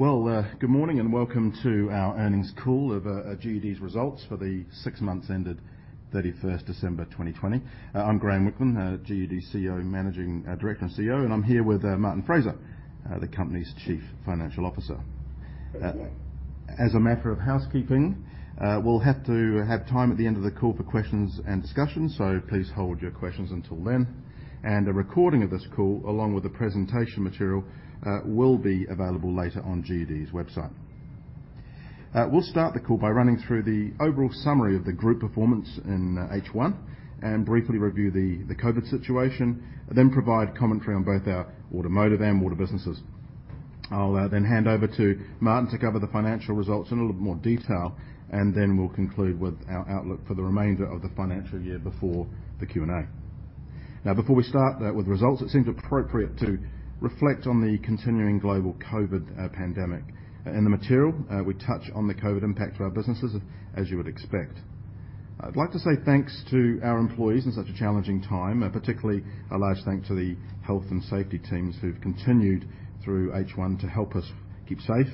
Good morning and welcome to our earnings call of G.U.D's Results for the Six Months Ended 31st December 2020. I'm Graeme Whickman, G.U.D's Managing Director and CEO, and I'm here with Martin Fraser, the company's Chief Financial Officer. As a matter of housekeeping, we'll have to have time at the end of the call for questions and discussion, so please hold your questions until then. A recording of this call, along with the presentation material, will be available later on G.U.D's website. We'll start the call by running through the overall summary of the group performance in H1 and briefly review the COVID-19 situation, then provide commentary on both our automotive and water businesses. I'll then hand over to Martin to cover the financial results in a little bit more detail, and then we'll conclude with our outlook for the remainder of the financial year before the Q and A. Before we start with results, it seems appropriate to reflect on the continuing global COVID-19 pandemic. In the material, we touch on the COVID-19 impact to our businesses, as you would expect. I'd like to say thanks to our employees in such a challenging time, particularly a large thank you to the health and safety teams who've continued through H1 to help us keep safe.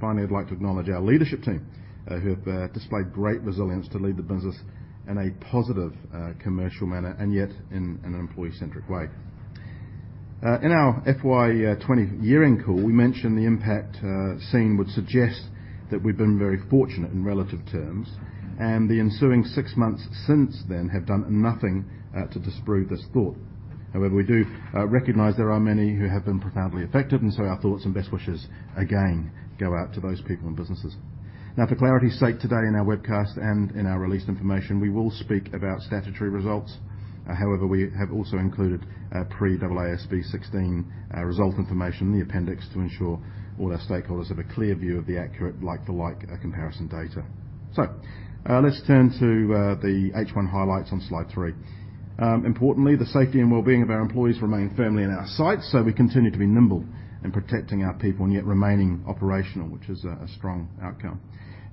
Finally, I'd like to acknowledge our leadership team, who have displayed great resilience to lead the business in a positive commercial manner, and yet in an an employee-centric way. In our FY 2020 year-end call, we mentioned the impact seen would suggest that we've been very fortunate in relative terms, and the ensuing six months since then have done nothing to disprove this thought. We do recognize there are many who have been profoundly affected, our thoughts and best wishes again go out to those people and businesses. For clarity's sake today in our webcast and in our released information, we will speak about statutory results. We have also included pre-AASB 16 result information in the appendix to ensure all our stakeholders have a clear view of the accurate like-for-like comparison data. Let's turn to the H1 highlights on slide three. Importantly, the safety and wellbeing of our employees remain firmly in our sights, we continue to be nimble in protecting our people and yet remaining operational, which is a strong outcome.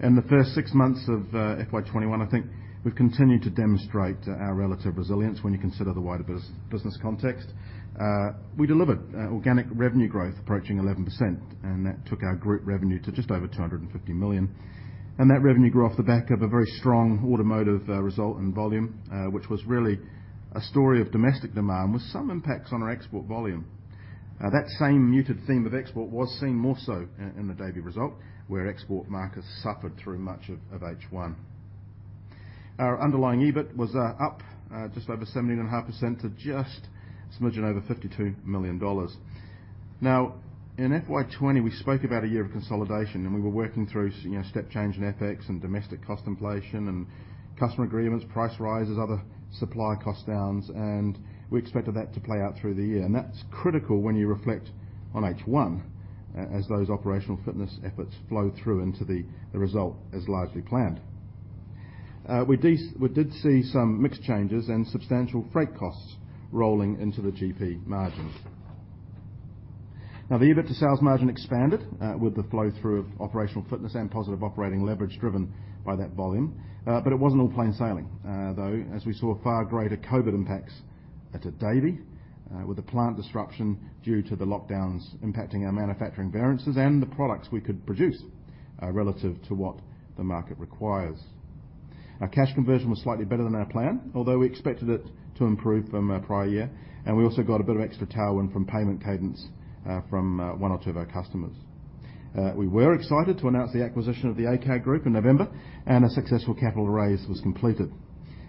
In the first six months of FY 2021, I think we've continued to demonstrate our relative resilience when you consider the wider business context. We delivered organic revenue growth approaching 11%, and that took our group revenue to just over 250 million. That revenue grew off the back of a very strong automotive result and volume, which was really a story of domestic demand with some impacts on our export volume. That same muted theme of export was seen more so in the Davey result, where export markets suffered through much of H1. Our underlying EBIT was up just over 17.5% to just a smidgen over 52 million dollars. Now, in FY 2020, we spoke about a year of consolidation, and we were working through step change in FX and domestic cost inflation and customer agreements, price rises, other supply cost downs, and we expected that to play out through the year. That's critical when you reflect on H1 as those operational fitness efforts flow through into the result as largely planned. We did see some mix changes and substantial freight costs rolling into the GP margin. The EBIT to sales margin expanded with the flow-through of operational fitness and positive operating leverage driven by that volume. It wasn't all plain sailing, though, as we saw far greater COVID impacts at Davey with the plant disruption due to the lockdowns impacting our manufacturing variances and the products we could produce relative to what the market requires. Our cash conversion was slightly better than our plan, although we expected it to improve from prior year, and we also got a bit of extra tailwind from payment cadence from one or two of our customers. We were excited to announce the acquisition of the ACAD group in November, and a successful capital raise was completed.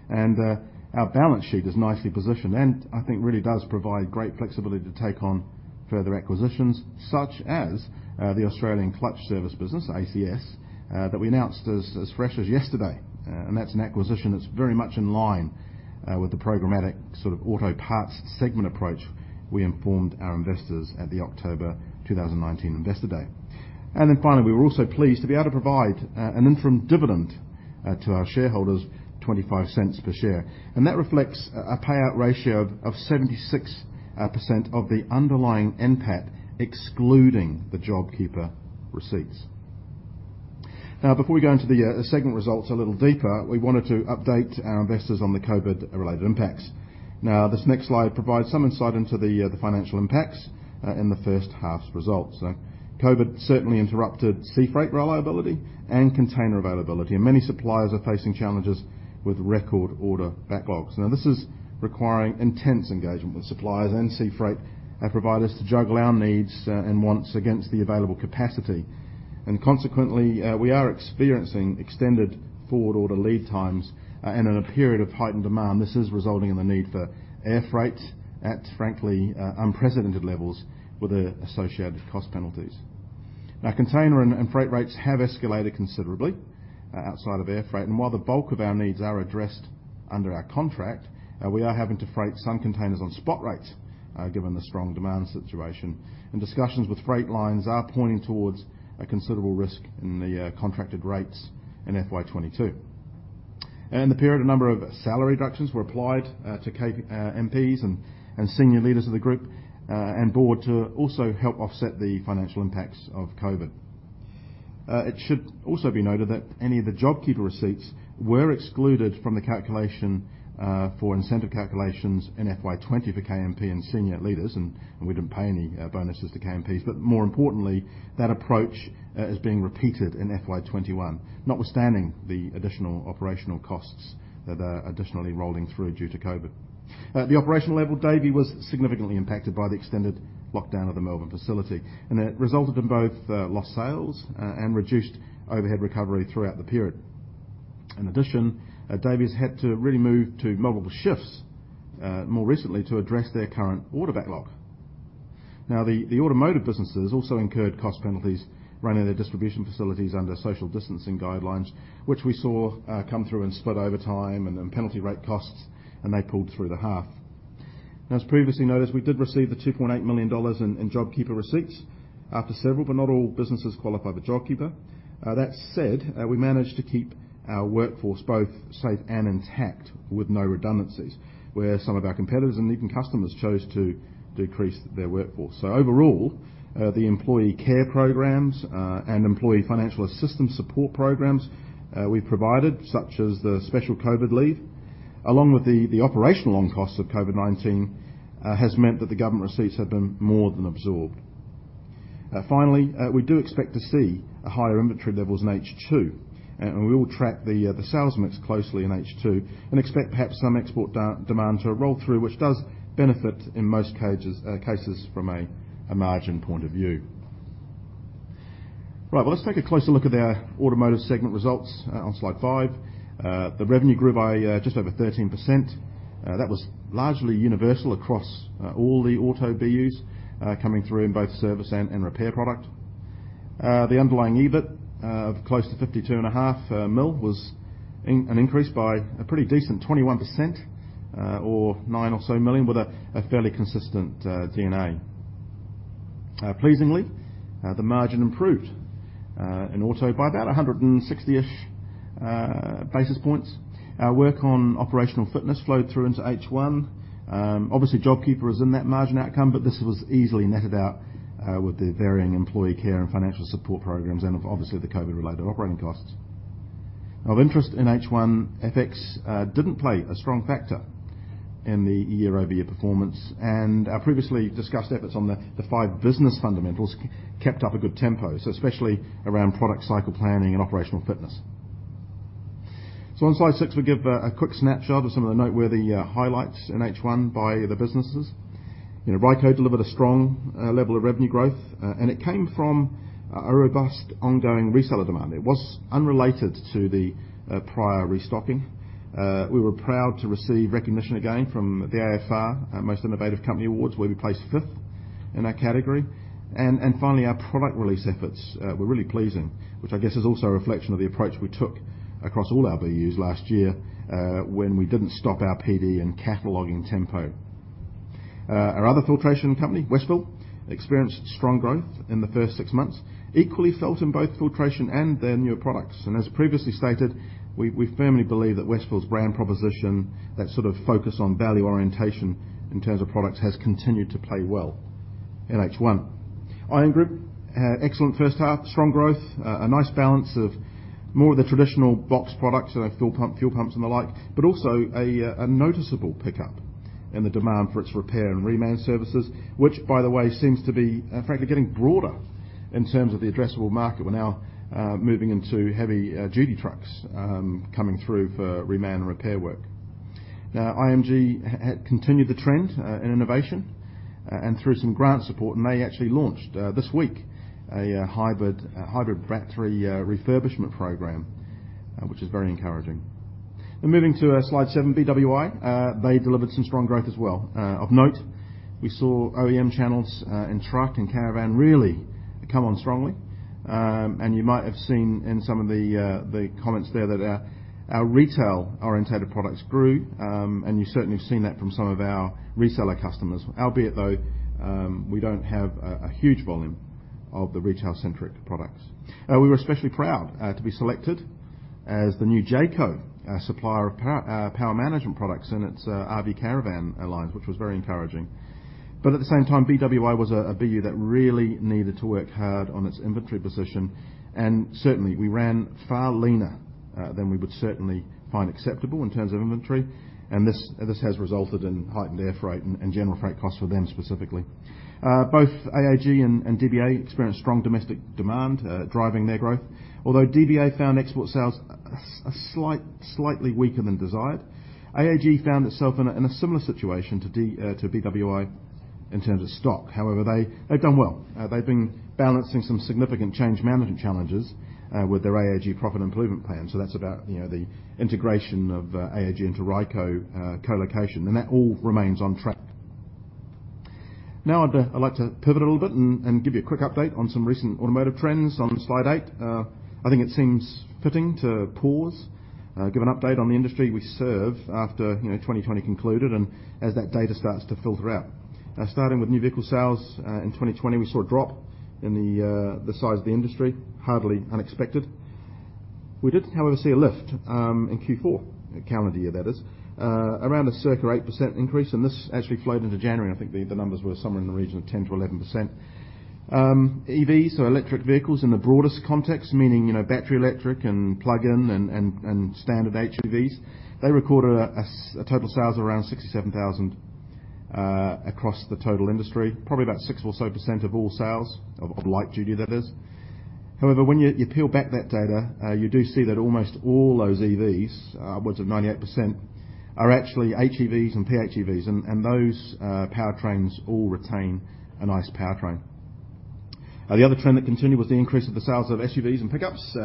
Our balance sheet is nicely positioned and I think really does provide great flexibility to take on further acquisitions such as the Australian Clutch Services business, ACS, that we announced as fresh as yesterday. That's an acquisition that's very much in line with the programmatic auto parts segment approach we informed our investors at the October 2019 investor day. Finally, we were also pleased to be able to provide an interim dividend to our shareholders, 0.25 per share. That reflects a payout ratio of 76% of the underlying NPAT, excluding the JobKeeper receipts. Before we go into the segment results a little deeper, we wanted to update our investors on the COVID-related impacts. This next slide provides some insight into the financial impacts in the first half's results. COVID certainly interrupted sea freight reliability and container availability, and many suppliers are facing challenges with record order backlogs. This is requiring intense engagement with suppliers and sea freight providers to juggle our needs and wants against the available capacity. Consequently, we are experiencing extended forward order lead times and in a period of heightened demand. This is resulting in the need for air freight at frankly unprecedented levels with associated cost penalties. Container and freight rates have escalated considerably outside of air freight. While the bulk of our needs are addressed under our contract, we are having to freight some containers on spot rates given the strong demand situation. Discussions with freight lines are pointing towards a considerable risk in the contracted rates in FY 2022. In the period, a number of salary reductions were applied to KMPs and senior leaders of the group and board to also help offset the financial impacts of COVID. It should also be noted that any of the JobKeeper receipts were excluded from the calculation for incentive calculations in FY 2020 for KMP and senior leaders, and we didn't pay any bonuses to KMPs. More importantly, that approach is being repeated in FY 2021, notwithstanding the additional operational costs that are additionally rolling through due to COVID. The operational level, Davey, was significantly impacted by the extended lockdown of the Melbourne facility, and it resulted in both lost sales and reduced overhead recovery throughout the period. In addition, Davey's had to really move to multiple shifts more recently to address their current order backlog. The automotive businesses also incurred cost penalties running their distribution facilities under social distancing guidelines, which we saw come through in split overtime and in penalty rate costs, and they pulled through the half. As previously noted, we did receive the 2.8 million dollars in JobKeeper receipts after several, but not all, businesses qualified for JobKeeper. That said, we managed to keep our workforce both safe and intact with no redundancies, where some of our competitors and even customers chose to decrease their workforce. Overall, the employee care programs and employee financial assistance support programs we provided, such as the special COVID leave, along with the operational costs of COVID-19, has meant that the government receipts have been more than absorbed. Finally, we do expect to see higher inventory levels in H2, and we will track the sales mix closely in H2 and expect perhaps some export demand to roll through, which does benefit in most cases from a margin point of view. Right. Well, let's take a closer look at our automotive segment results on slide five. The revenue grew by just over 13%. That was largely universal across all the auto BUs coming through in both service and repair product. The underlying EBIT of close to 52.5 million was an increase by a pretty decent 21% or 9 or so million, with a fairly consistent D&A. Pleasingly, the margin improved in auto by about 160-ish basis points. Our work on operational fitness flowed through into H1. JobKeeper is in that margin outcome, but this was easily netted out with the varying employee care and financial support programs and obviously the COVID-related operating costs. Of interest in H1, FX didn't play a strong factor in the year-over-year performance, and our previously discussed efforts on the five business fundamentals kept up a good tempo, especially around product cycle planning and operational fitness. On slide six, we give a quick snapshot of some of the noteworthy highlights in H1 by the businesses. Ryco delivered a strong level of revenue growth, it came from a robust ongoing reseller demand. It was unrelated to the prior restocking. We were proud to receive recognition again from the AFR Most Innovative Company Awards, where we placed fifth in our category. Finally, our product release efforts were really pleasing, which I guess is also a reflection of the approach we took across all our BUs last year, when we didn't stop our PD and cataloging tempo. Our other filtration company, Wesfil, experienced strong growth in the first 6 months, equally felt in both filtration and their newer products. As previously stated, we firmly believe that Wesfil's brand proposition, that sort of focus on value orientation in terms of products, has continued to play well in H1. Iron grip, excellent first half. Strong growth, a nice balance of more of the traditional box products, so fuel pumps and the like, but also a noticeable pickup in the demand for its repair and reman services. Which, by the way, seems to be, frankly, getting broader in terms of the addressable market. We're now moving into heavy-duty trucks coming through for reman and repair work. IMG continued the trend in innovation, through some grant support, they actually launched this week a hybrid battery refurbishment program, which is very encouraging. Moving to slide seven, BWI. They delivered some strong growth as well. Of note, we saw OEM channels in truck and caravan really come on strongly. You might have seen in some of the comments there that our retail-orientated products grew, you've certainly seen that from some of our reseller customers. Though, we don't have a huge volume of the retail-centric products. We were especially proud to be selected as the new Jayco supplier of power management products in its RV caravan alliance, which was very encouraging. At the same time, BWI was a BU that really needed to work hard on its inventory position. Certainly, we ran far leaner than we would certainly find acceptable in terms of inventory. This has resulted in heightened air freight and general freight costs for them specifically. Both AAG and DBA experienced strong domestic demand driving their growth. Although DBA found export sales slightly weaker than desired, AAG found itself in a similar situation to BWI in terms of stock. However, they've done well. They've been balancing some significant change management challenges with their AAG profit improvement plan. That's about the integration of AAG into Ryco co-location. That all remains on track. Now, I'd like to pivot a little bit and give you a quick update on some recent automotive trends on slide eight. I think it seems fitting to pause, give an update on the industry we serve after 2020 concluded and as that data starts to filter out. Starting with new vehicle sales in 2020, we saw a drop in the size of the industry. Hardly unexpected. We did however, see a lift in Q4, calendar year that is, around a circa 8% increase, and this actually flowed into January. I think the numbers were somewhere in the region of 10% to 11%. EVs or electric vehicles in the broadest context, meaning battery electric and plug-in and standard HEVs, they recorded a total sales of around 67,000 across the total industry, probably about 6.7% of all sales, of light duty that is. When you peel back that data, you do see that almost all those EVs, upwards of 98%, are actually HEVs and PHEVs. Those powertrains all retain a nice powertrain. The other trend that continued was the increase of the sales of SUVs and pickups,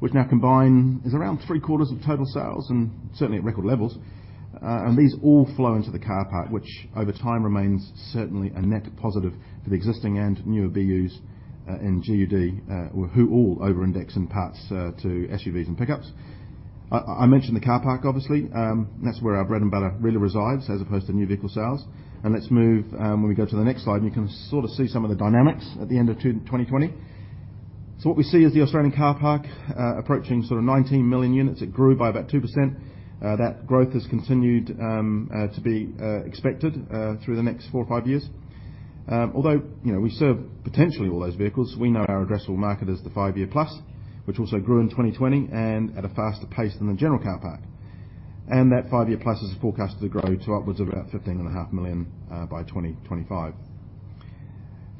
which now combine, is around three-quarters of total sales and certainly at record levels. These all flow into the car park, which over time remains certainly a net positive for the existing and newer BUs in G.U.D, who all over-index in parts to SUVs and pickups. I mentioned the car park, obviously. That's where our bread and butter really resides as opposed to new vehicle sales. Let's move, when we go to the next slide, and you can sort of see some of the dynamics at the end of 2020. What we see is the Australian car park approaching sort of 19 million units. It grew by about 2%. That growth has continued to be expected through the next four or five years. Although we serve potentially all those vehicles, we know our addressable market is the five year plus, which also grew in 2020 and at a faster pace than the general car park. That five year plus is forecasted to grow to upwards of about 15.5 million by 2025.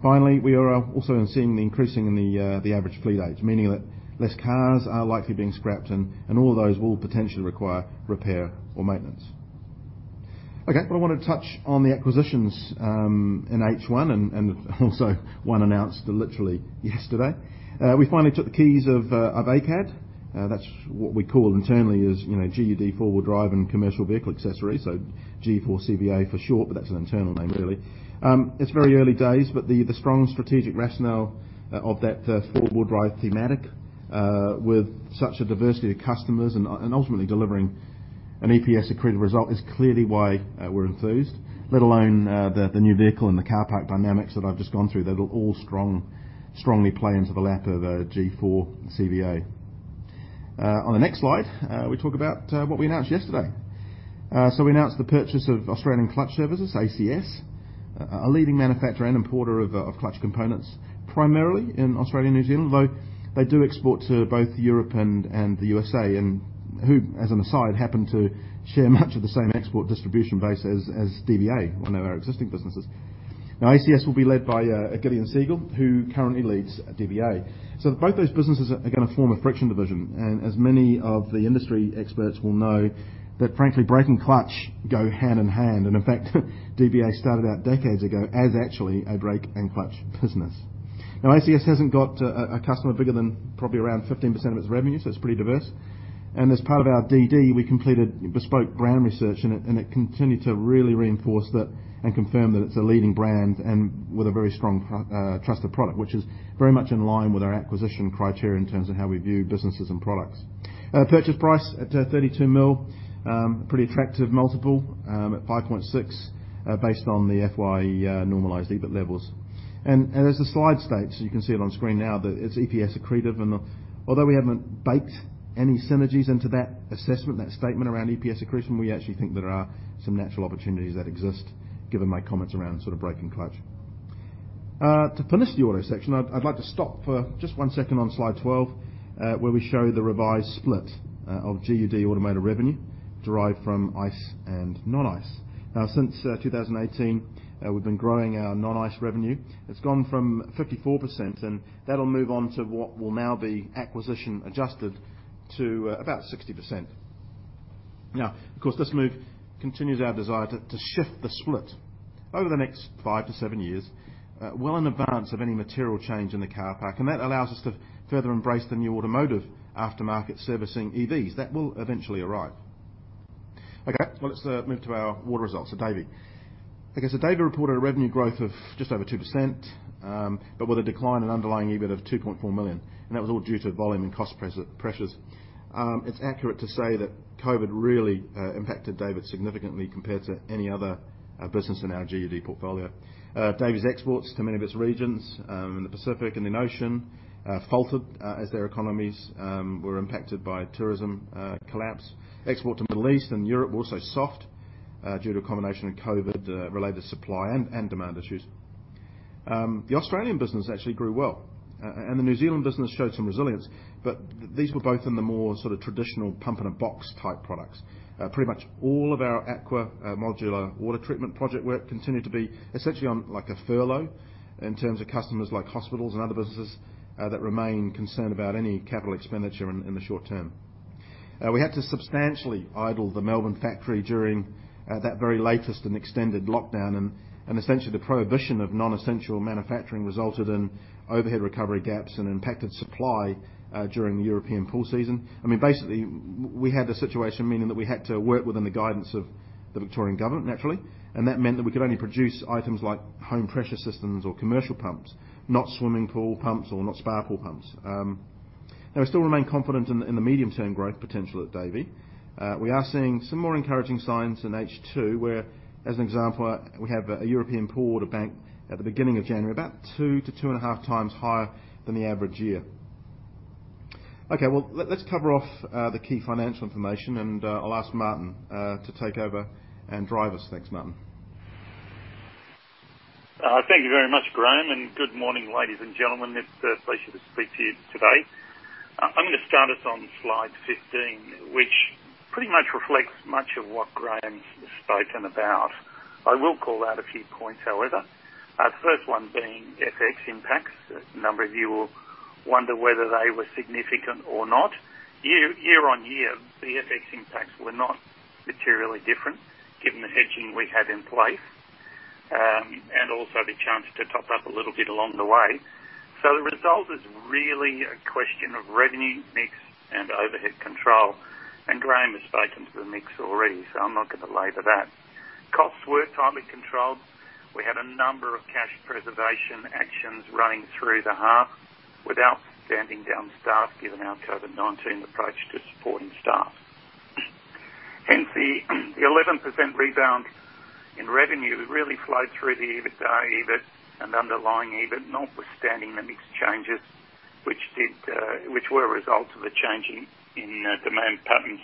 Finally, we are also seeing the increasing in the average fleet age, meaning that less cars are likely being scrapped and all those will potentially require repair or maintenance. Okay. I want to touch on the acquisitions in H1 and also one announced literally yesterday. We finally took the keys of ACAD. That is what we call internally is G.U.D four-wheel drive and commercial vehicle accessories. G4CVA for short, but that is an internal name really. It's very early days, the strong strategic rationale of that four-wheel drive thematic with such a diversity of customers and ultimately delivering an EPS accretive result is clearly why we're enthused, let alone the new vehicle and the car park dynamics that I've just gone through that will all strongly play into the lap of G4CVA. On the next slide, we talk about what we announced yesterday. We announced the purchase of Australian Clutch Services, ACS, a leading manufacturer and importer of clutch components, primarily in Australia and New Zealand, although they do export to both Europe and the U.S.A., and who, as an aside, happen to share much of the same export distribution base as DBA, one of our existing businesses. ACS will be led by Gideon Segal, who currently leads DBA. Both those businesses are going to form a friction division, and as many of the industry experts will know that frankly, brake and clutch go hand in hand. In fact, DBA started out decades ago as actually a brake and clutch business. ACS hasn't got a customer bigger than probably around 15% of its revenue, so it's pretty diverse. As part of our DD, we completed bespoke brand research, and it continued to really reinforce that and confirm that it's a leading brand and with a very strong trusted product, which is very much in line with our acquisition criteria in terms of how we view businesses and products. Purchase price at 32 million, pretty attractive multiple at 5.6 based on the FY normalized EBIT levels. As the slide states, you can see it on screen now, that it's EPS accretive. Although we haven't baked any synergies into that assessment, that statement around EPS accretion, we actually think there are some natural opportunities that exist given my comments around sort of brake and clutch. To finish the auto section, I'd like to stop for just one second on slide 12, where we show the revised split of G.U.D automotive revenue derived from ICE and non-ICE. Since 2018, we've been growing our non-ICE revenue. It's gone from 54%, and that'll move on to what will now be acquisition adjusted to about 60%. Of course, this move continues our desire to shift the split over the next five to seven years well in advance of any material change in the car park. That allows us to further embrace the new automotive aftermarket servicing EVs. That will eventually arrive. Let's move to our water results at Davey. Davey reported a revenue growth of just over 2%, but with a decline in underlying EBIT of 2.4 million, and that was all due to volume and cost pressures. It's accurate to say that COVID really impacted Davey significantly compared to any other business in our G.U.D portfolio. Davey's exports to many of its regions in the Pacific, Indian Ocean faltered as their economies were impacted by tourism collapse. Export to Middle East and Europe were also soft due to a combination of COVID-related supply and demand issues. The Australian business actually grew well, and the New Zealand business showed some resilience, but these were both in the more sort of traditional pump in a box type products. Pretty much all of our aqua modular water treatment project work continued to be essentially on like a furlough in terms of customers like hospitals and other businesses that remain concerned about any capital expenditure in the short term. We had to substantially idle the Melbourne factory during that very latest and extended lockdown, essentially the prohibition of non-essential manufacturing resulted in overhead recovery gaps and impacted supply during the European pool season. I mean, basically, we had the situation meaning that we had to work within the guidance of the Victorian government naturally, that meant that we could only produce items like home pressure systems or commercial pumps, not swimming pool pumps or not spa pool pumps. We still remain confident in the medium-term growth potential at Davey. We are seeing some more encouraging signs in H2, where, as an example, we have a European pool order bank at the beginning of January, about two to two and a half times higher than the average year. Okay, well, let's cover off the key financial information, and I'll ask Martin to take over and drive us. Thanks, Martin. Thank you very much, Graeme. Good morning, ladies and gentlemen. It's a pleasure to speak to you today. I'm going to start us on slide 15, which pretty much reflects much of what Graeme's spoken about. I will call out a few points, however. First one being FX impacts. A number of you will wonder whether they were significant or not. Year-on-year, the FX impacts were not materially different given the hedging we had in place, and also the chance to top up a little bit along the way. The result is really a question of revenue mix and overhead control. Graeme has spoken to the mix already, so I'm not going to labor that. Costs were tightly controlled. We had a number of cash preservation actions running through the half without standing down staff, given our COVID-19 approach to supporting staff. The 11% rebound in revenue really flowed through the EBITDA, EBIT and underlying EBIT, notwithstanding the mix changes, which were a result of the change in demand patterns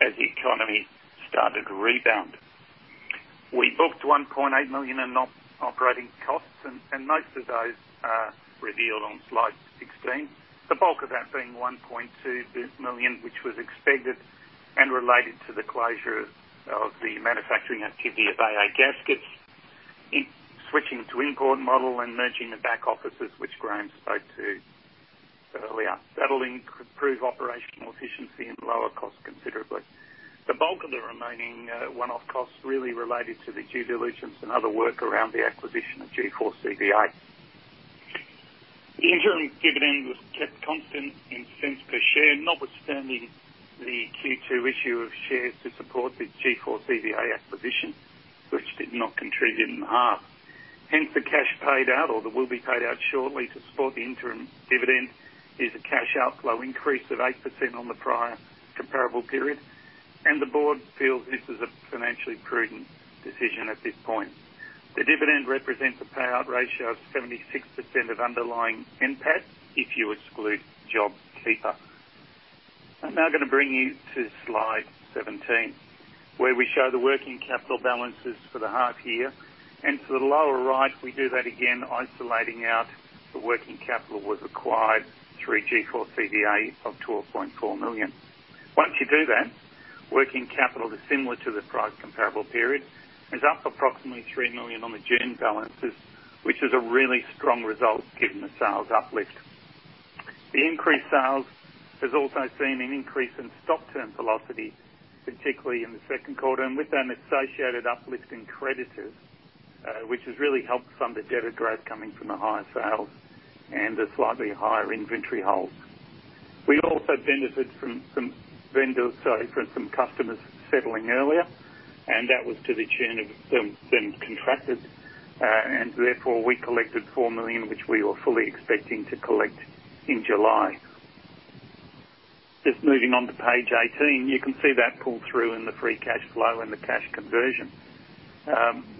as the economy started to rebound. We booked 1.8 million in operating costs and most of those are revealed on slide 16. The bulk of that being 1.2 million, which was expected and related to the closure of the manufacturing activity of AA Gaskets, switching to import model and merging the back offices, which Graeme spoke to earlier. That'll improve operational efficiency and lower costs considerably. The bulk of the remaining one-off costs really related to the due diligence and other work around the acquisition of G4CVA. The interim dividend was kept constant in cents per share, notwithstanding the Q2 issue of shares to support the G4CVA acquisition, which did not contribute in the half. The cash paid out or that will be paid out shortly to support the interim dividend is a cash outflow increase of 8% on the prior comparable period, and the board feels this is a financially prudent decision at this point. The dividend represents a payout ratio of 76% of underlying NPAT if you exclude JobKeeper. I'm now going to bring you to slide 17, where we show the working capital balances for the half year and to the lower right, we do that again, isolating out the working capital was acquired through G4CVA of 12.4 million. Once you do that, working capital is similar to the prior comparable period, is up approximately 3 million on the June balances, which is a really strong result given the sales uplift. The increased sales has also seen an increase in stock turn velocity, particularly in the second quarter. With an associated uplift in creditors, which has really helped some of the debtor growth coming from the higher sales and the slightly higher inventory holds. We also benefited from some customers settling earlier. That was to the tune of them contracted. Therefore, we collected 4 million, which we were fully expecting to collect in July. Just moving on to page 18, you can see that pull through in the free cash flow and the cash conversion,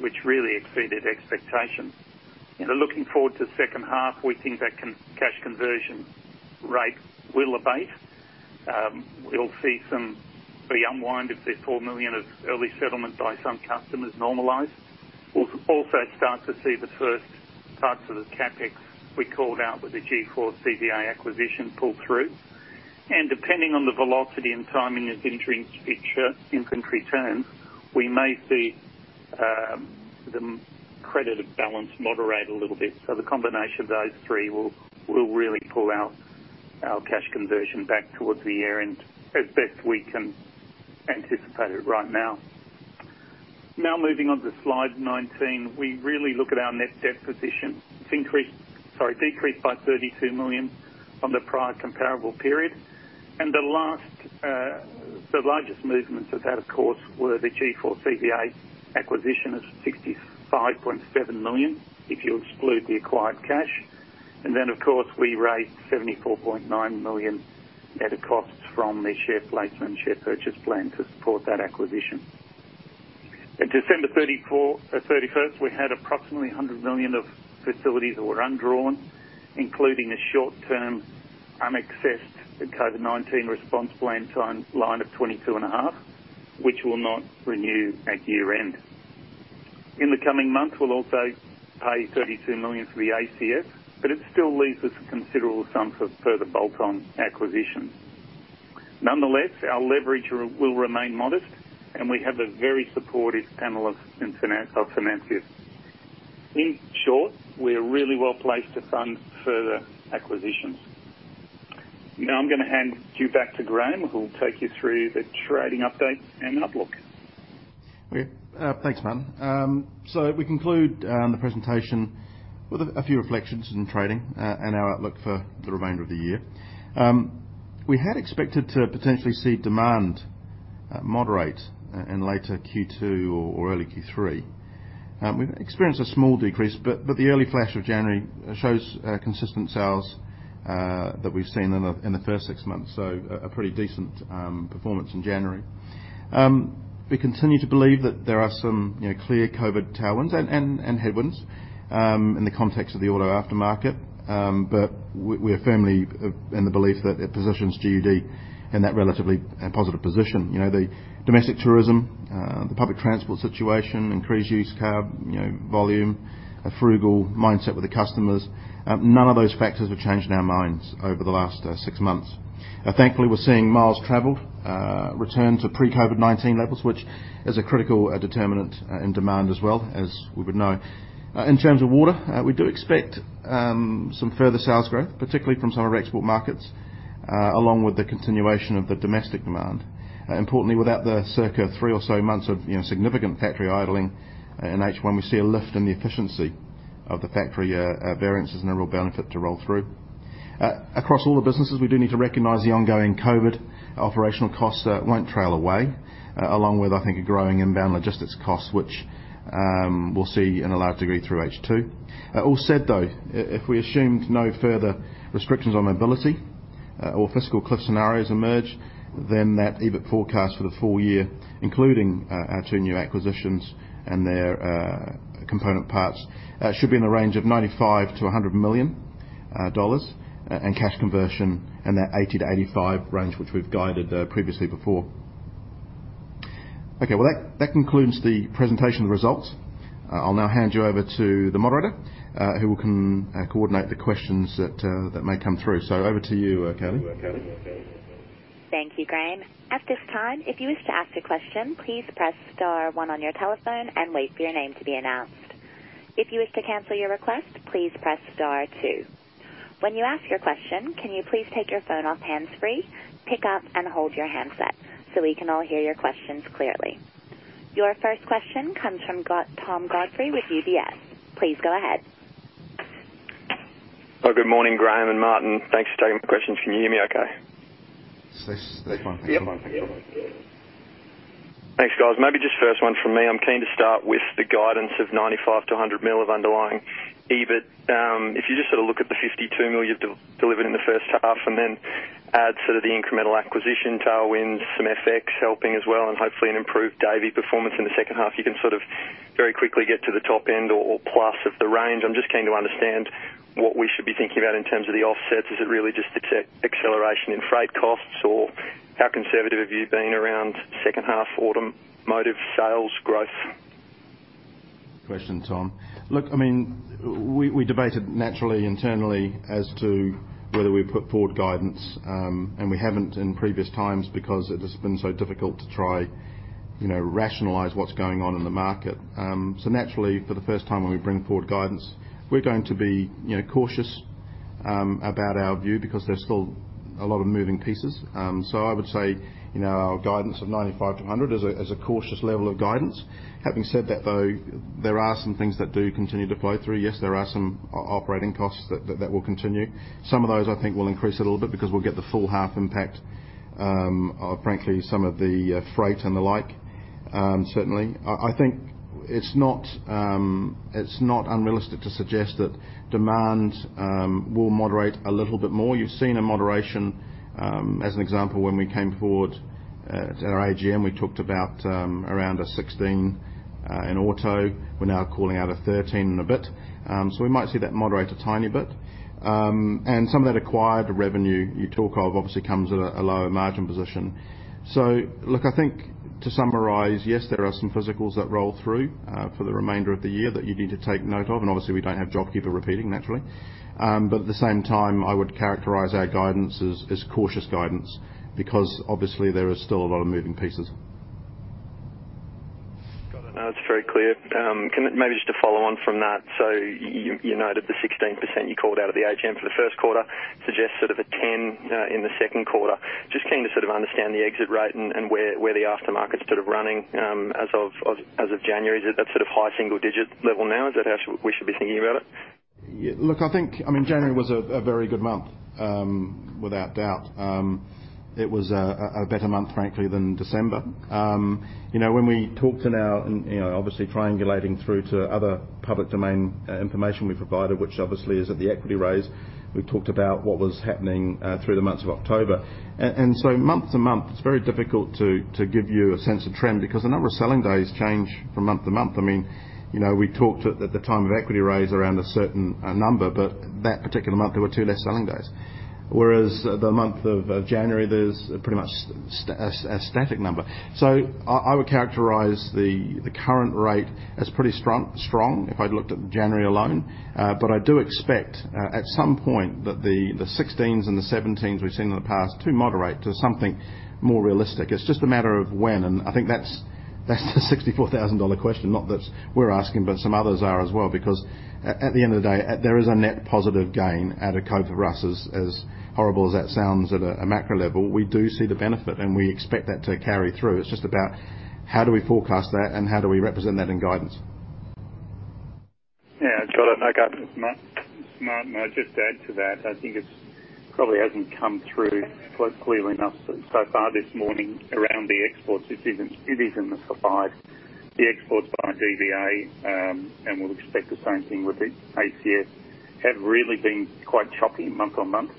which really exceeded expectations. Looking forward to second half, we think that cash conversion rate will abate. We'll see some be unwind if the 4 million of early settlement by some customers normalize. We'll also start to see the first parts of the CapEx we called out with the G4CVA acquisition pull through. Depending on the velocity and timing of inventory turns, we may see the credited balance moderate a little bit. The combination of those three will really pull our cash conversion back towards the year-end as best we can anticipate it right now. Moving on to slide 19, we really look at our net debt position. It's, sorry, decreased by 32 million from the prior comparable period. The largest movements of that, of course, were the G4CVA acquisition of 65.7 million, if you exclude the acquired cash. Of course, we raised 74.9 million net of costs from the share placement and share purchase plan to support that acquisition. At December 31st, we had approximately 100 million of facilities that were undrawn, including a short-term unaccessed COVID-19 response plan line of 22.5 Million, which will not renew at year-end. In the coming months, we'll also pay 32 million for the ACS. It still leaves us a considerable sum for further bolt-on acquisitions. Our leverage will remain modest, and we have a very supportive panel of financiers. In short, we are really well-placed to fund further acquisitions. I'm going to hand you back to Graeme, who will take you through the trading update and outlook. Thanks, Martin. We conclude the presentation with a few reflections on trading and our outlook for the remainder of the year. We had expected to potentially see demand moderate in later Q2 or early Q3. We've experienced a small decrease, but the early flash of January shows consistent sales that we've seen in the first six months. A pretty decent performance in January. We continue to believe that there are some clear COVID tailwinds and headwinds in the context of the auto aftermarket. We're firmly in the belief that it positions G.U.D in that relatively positive position. The domestic tourism, the public transport situation, increased used car volume, a frugal mindset with the customers, none of those factors have changed in our minds over the last six months. Thankfully, we're seeing miles traveled return to pre-COVID-19 levels, which is a critical determinant in demand as well as we would know. In terms of water, we do expect some further sales growth, particularly from some of our export markets, along with the continuation of the domestic demand. Importantly, without the circa three or so months of significant factory idling in H1, we see a lift in the efficiency of the factory variance as a real benefit to roll through. Across all the businesses, we do need to recognize the ongoing COVID operational costs that won't trail away, along with, I think, a growing inbound logistics cost, which we'll see in a large degree through H2. All said, though, if we assumed no further restrictions on mobility or fiscal cliff scenarios emerge, that EBIT forecast for the full year, including our two new acquisitions and their component parts, should be in the range of 95 million-100 million dollars, and cash conversion in that 80%-85% range, which we have guided previously before. Okay. That concludes the presentation results. I will now hand you over to the moderator, who can coordinate the questions that may come through. Over to you, Kelly. Thank you, Graeme. At this time, if you wish to ask a question, please press star one on your telephone and wait for your name to be announced. If you wish to cancel your request, please press star two. When you ask your question, can you please take your phone off hands-free, pick up and hold your handset so we can all hear your questions clearly. Your first question comes from Tom Godfrey with UBS. Please go ahead. Good morning, Graeme and Martin. Thanks for taking my questions. Can you hear me okay? Yes. Yes. Thanks, guys. Maybe just first one from me. I'm keen to start with the guidance of 95 million-100 million of underlying EBIT. If you just look at the 52 million you've delivered in the first half and then add the incremental acquisition tailwinds, some FX helping as well, and hopefully an improved Davey performance in the second half, you can very quickly get to the top end or plus of the range. I'm just keen to understand what we should be thinking about in terms of the offsets. Is it really just acceleration in freight costs? How conservative have you been around second half automotive sales growth? Good question, Tom. Look, we debated naturally internally as to whether we put forward guidance. We haven't in previous times because it has been so difficult to try rationalize what's going on in the market. Naturally, for the first time when we bring forward guidance, we're going to be cautious about our view because there's still a lot of moving pieces. I would say, our guidance of 95 million-100 million is a cautious level of guidance. Having said that, though, there are some things that do continue to flow through. Yes, there are some operating costs that will continue. Some of those, I think, will increase a little bit because we'll get the full half impact of, frankly, some of the freight and the like, certainly. I think it's not unrealistic to suggest that demand will moderate a little bit more. You've seen a moderation, as an example, when we came forward at our AGM. We talked about around 16 in auto. We're now calling out 13 and a bit. We might see that moderate a tiny bit. Some of that acquired revenue you talk of obviously comes at a lower margin position. Look, I think to summarize, yes, there are some physicals that roll through for the remainder of the year that you need to take note of, and obviously we don't have JobKeeper repeating naturally. At the same time, I would characterize our guidance as cautious guidance because obviously there are still a lot of moving pieces. Got it. No, it is very clear. Maybe just to follow on from that. You noted the 16% you called out at the AGM for the first quarter suggests a 10% in the second quarter. Just keen to understand the exit rate and where the aftermarket is running as of January. Is it at high single-digit level now? Is that how we should be thinking about it? Look, I think January was a very good month. Without doubt. It was a better month, frankly, than December. When we talked to now, obviously triangulating through to other public domain information we provided, which obviously is at the equity raise, we talked about what was happening through the months of October. Month to month, it's very difficult to give you a sense of trend because the number of selling days change from month to month. We talked at the time of equity raise around a certain number, but that particular month, there were two less selling days. Whereas the month of January, there's pretty much a static number. I would characterize the current rate as pretty strong if I looked at January alone. I do expect at some point that the 16s and the 17s we've seen in the past to moderate to something more realistic. It's just a matter of when, and I think that's the 64,000 dollar question. Not that we're asking, but some others are as well, because at the end of the day, there is a net positive gain out of COVID-19 for us, as horrible as that sounds at a macro level. We do see the benefit, and we expect that to carry through. It's just about how do we forecast that and how do we represent that in guidance? Yeah, sure. No, just to add to that, I think it probably hasn't come through clearly enough so far this morning around the exports. It is in the supply. The exports by DBA, and we'll expect the same thing with ACS, have really been quite choppy month-on-month.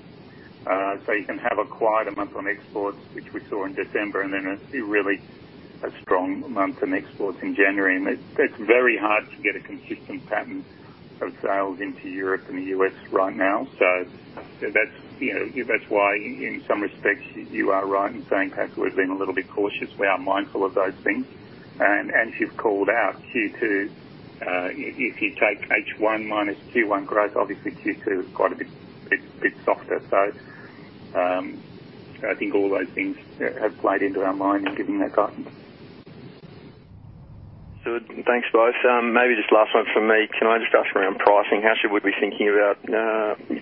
You can have a quieter month on exports, which we saw in December, and then a really strong month in exports in January. It's very hard to get a consistent pattern of sales into Europe and the U.S. right now. That's why, in some respects, you are right in saying, perhaps we've been a little bit cautious. We are mindful of those things. As you've called out, Q2, if you take H1 minus Q1 growth, obviously Q2 is quite a bit softer. I think all those things have played into our mind in giving that guidance. Good. Thanks, guys. Maybe just last one from me. Can I just ask around pricing, how should we be thinking about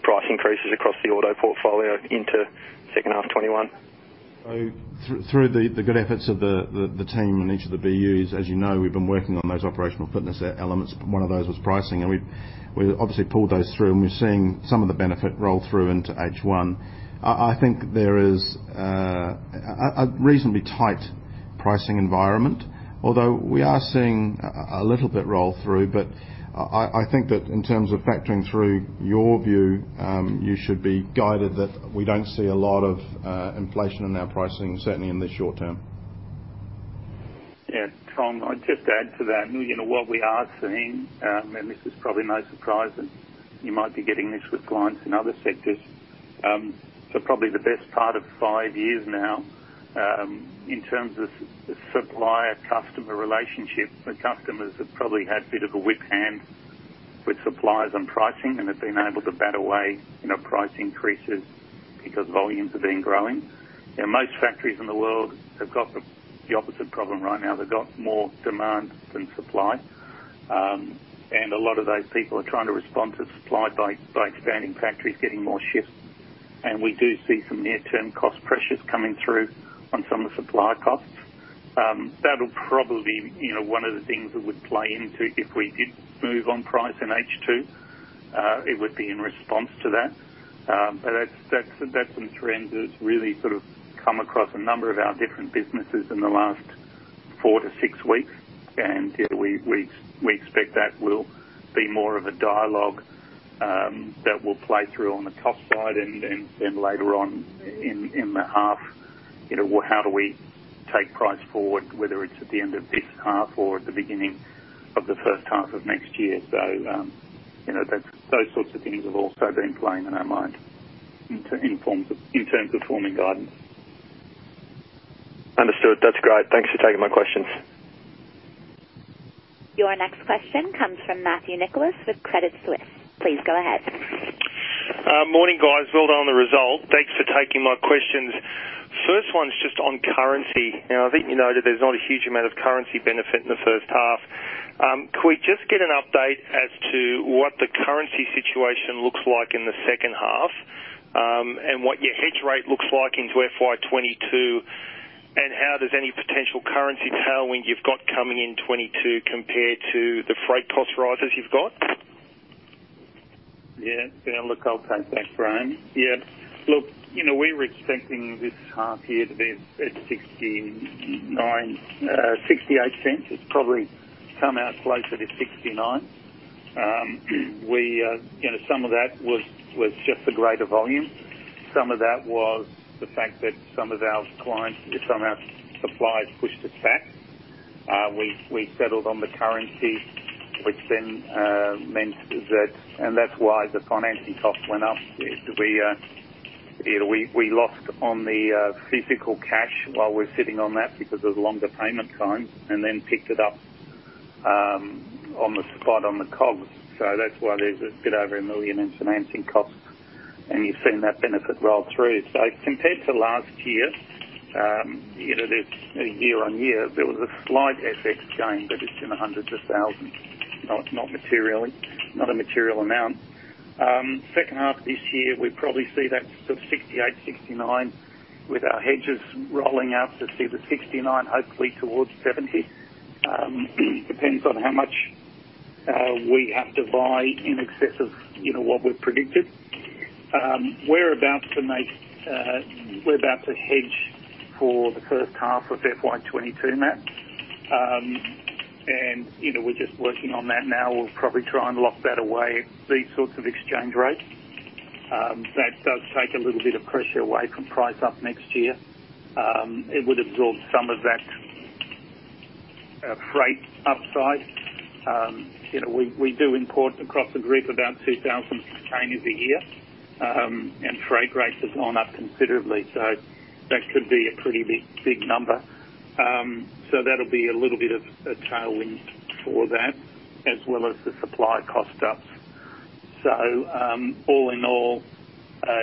price increases across the auto portfolio into second half 2021? Through the good efforts of the team in each of the BUs, as you know, we've been working on those operational fitness elements. One of those was pricing, and we obviously pulled those through, and we're seeing some of the benefit roll through into H1. I think there is a reasonably tight pricing environment, although we are seeing a little bit roll through. I think that in terms of factoring through your view, you should be guided that we don't see a lot of inflation in our pricing, certainly in the short term. Tom, I'd just add to that. What we are seeing, this is probably no surprise, and you might be getting this with clients in other sectors. Probably the best part of five years now, in terms of the supplier-customer relationship, the customers have probably had a bit of a whip hand with suppliers on pricing and have been able to bat away price increases because volumes have been growing. Most factories in the world have got the opposite problem right now. They've got more demand than supply. A lot of those people are trying to respond to supply by expanding factories, getting more shifts. We do see some near-term cost pressures coming through on some of the supply costs. That'll probably be one of the things that would play into if we did move on price in H2, it would be in response to that. That's some trends that have really sort of come across a number of our different businesses in the last four to six weeks, and we expect that will be more of a dialogue that will play through on the cost side and then later on in the half, how do we take price forward, whether it's at the end of this half or at the beginning of the first half of next year. Those sorts of things have also been playing in our mind in terms of forming guidance. Understood. That's great. Thanks for taking my questions. Your next question comes from Matthew Nicholas with Credit Suisse. Please go ahead. Morning, guys. Well done on the result. Thanks for taking my questions. First one is just on currency. Now, I think you noted there's not a huge amount of currency benefit in the first half. Could we just get an update as to what the currency situation looks like in the second half, and what your hedge rate looks like into FY 2022, and how does any potential currency tailwind you've got coming in 2022 compare to the freight cost rises you've got? I'll take that, Graeme. We were expecting this half year to be at 0.68. It's probably come out closer to 0.69. Some of that was just the greater volume. Some of that was the fact that some of our suppliers pushed to cash. We settled on the currency, which then meant that, and that's why the financing cost went up. We lost on the physical cash while we're sitting on that because of the longer payment time, picked it up on the spot on the COGS. That's why there's a bit over 1 million in financing costs, and you've seen that benefit roll through. Compared to last year-over-year, there was a slight FX gain, but it's in the hundreds of thousands. Not a material amount. Second half of this year, we probably see that sort of 0.68, 0.69 with our hedges rolling out to see the 0.69, hopefully towards 0.70. Depends on how much we have to buy in excess of what we've predicted. We're about to hedge for the first half of FY 2022, Matt. We're just working on that now. We'll probably try and lock that away at these sorts of exchange rates. That does take a little bit of pressure away from price up next year. It would absorb some of that freight upside. We do import across the group about 2,000 containers a year. Freight rates have gone up considerably. That could be a pretty big number. That'll be a little bit of a tailwind for that, as well as the supply cost ups. All in all,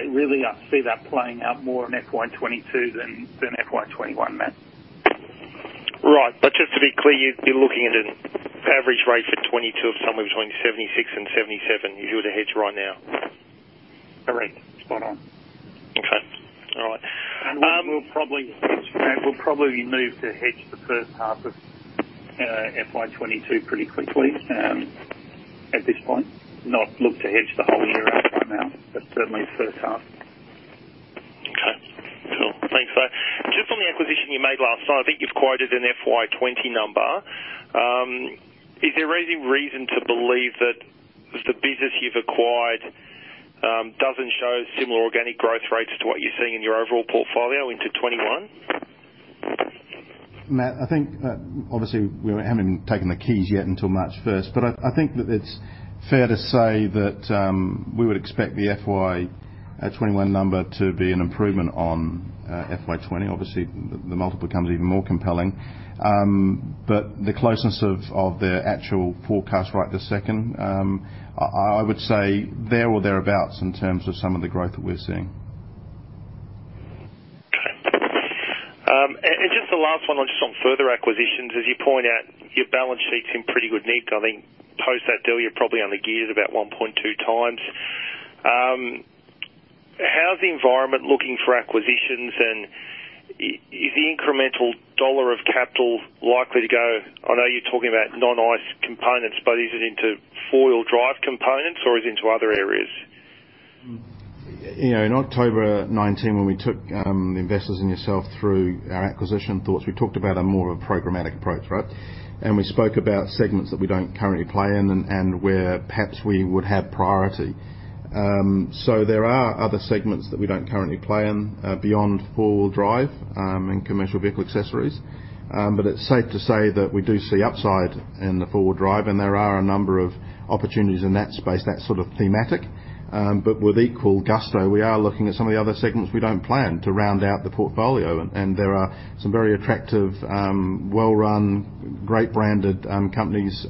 really, I see that playing out more in FY 2022 than in FY 2021, Matt. Right. Just to be clear, you're looking at an average rate for 2022 of somewhere between 76 and 77. You do the hedge right now? We'll probably move to hedge the first half of FY 2022 pretty quickly. At this point, not look to hedge the whole year at this time out, but certainly the first half. Okay, cool. Thanks. On the acquisition you made last time, I think you've quoted an FY 2020 number. Is there any reason to believe that the business you've acquired doesn't show similar organic growth rates to what you're seeing in your overall portfolio into 2021? Matt, I think that obviously we haven't taken the keys yet until March 1st. I think that it's fair to say that we would expect the FY 2021 number to be an improvement on FY 2020. Obviously, the multiple becomes even more compelling. The closeness of the actual forecast right this second, I would say there or thereabouts in terms of some of the growth that we're seeing. Okay. Just the last one on just on further acquisitions. As you point out, your balance sheet's in pretty good nick. I think post that deal, you're probably only geared about 1.2x. How's the environment looking for acquisitions, and is the incremental dollar of capital likely to go, I know you're talking about non-ICE components, but is it into four-wheel drive components, or is it into other areas? In October 2019, when we took investors and yourself through our acquisition thoughts, we talked about a more of a programmatic approach, right? We spoke about segments that we don't currently play in and where perhaps we would have priority. There are other segments that we don't currently play in beyond four-wheel drive, and commercial vehicle accessories. It's safe to say that we do see upside in the four-wheel drive, and there are a number of opportunities in that space, that sort of thematic. With equal gusto, we are looking at some of the other segments we don't plan to round out the portfolio, and there are some very attractive, well-run, great branded companies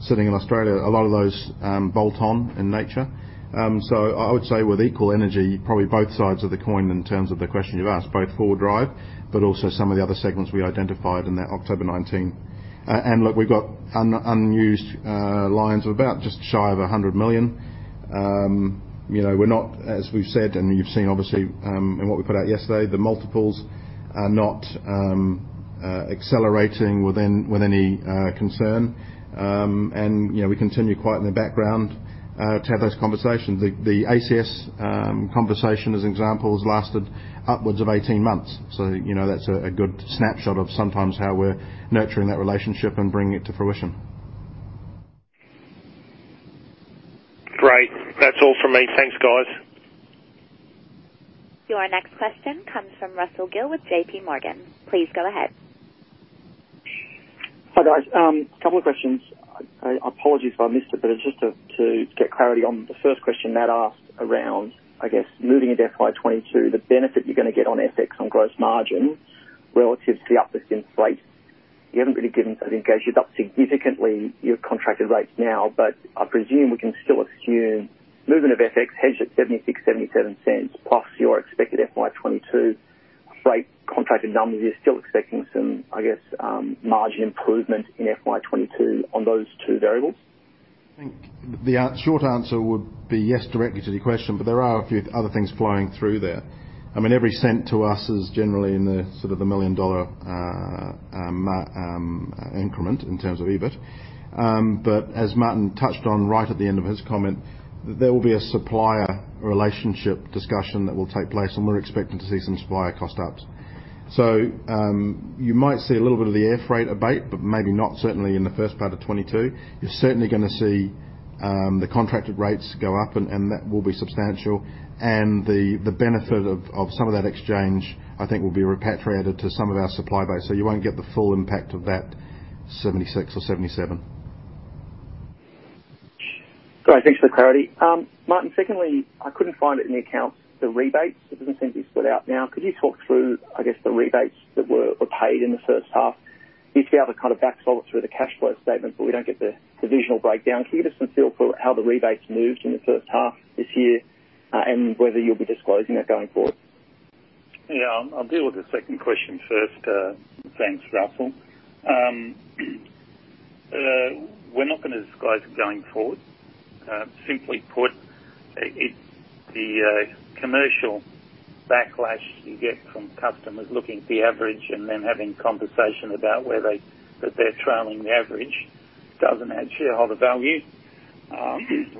sitting in Australia, a lot of those bolt on in nature. I would say with equal energy, probably both sides of the coin in terms of the question you've asked, both four-wheel drive, but also some of the other segments we identified in that October 2019. Look, we've got unused lines of about just shy of 100 million. We're not, as we've said, and you've seen obviously in what we put out yesterday, the multiples are not accelerating with any concern. We continue quiet in the background to have those conversations. The ACS conversation, as an example, has lasted upwards of 18 months. That's a good snapshot of sometimes how we're nurturing that relationship and bringing it to fruition. Great. That's all from me. Thanks, guys. Your next question comes from Russell Gill with JPMorgan. Please go ahead. Hi, guys. Couple of questions. Apologies if I missed it, but just to get clarity on the first question Matt asked around, I guess, moving into FY 2022, the benefit you're going to get on FX on gross margin relative to the uplift in rates. You haven't really given, I think, as you've upped significantly your contracted rates now, but I presume we can still assume movement of FX hedge at 0.76, AUD 0.77 plus your expected FY 2022 rate contracted numbers. You're still expecting some, I guess, margin improvement in FY 2022 on those two variables? I think the short answer would be yes directly to your question, there are a few other things flowing through there. Every AUD 0.01 to us is generally in the sort of the 1 million dollar increment in terms of EBIT. As Martin touched on right at the end of his comment, there will be a supplier relationship discussion that will take place, and we're expecting to see some supplier cost ups. You might see a little bit of the air freight abate, but maybe not certainly in the first part of 2022. You're certainly gonna see the contracted rates go up, and that will be substantial. The benefit of some of that exchange, I think, will be repatriated to some of our supply base. You won't get the full impact of that 0.76 or 0.77. Great. Thanks for the clarity. Martin, secondly, I couldn't find it in the accounts, the rebates. It doesn't seem to be split out now. Could you talk through, I guess, the rebates that were paid in the first half? You see I've kind of back followed through the cash flow statement, we don't get the divisional breakdown. Can you give us some feel for how the rebates moved in the first half this year? Whether you'll be disclosing that going forward? I'll deal with the second question first. Thanks, Russell. We're not gonna disclose it going forward. Simply put, it's the commercial backlash you get from customers looking at the average and then having conversation about that they're trailing the average doesn't add shareholder value.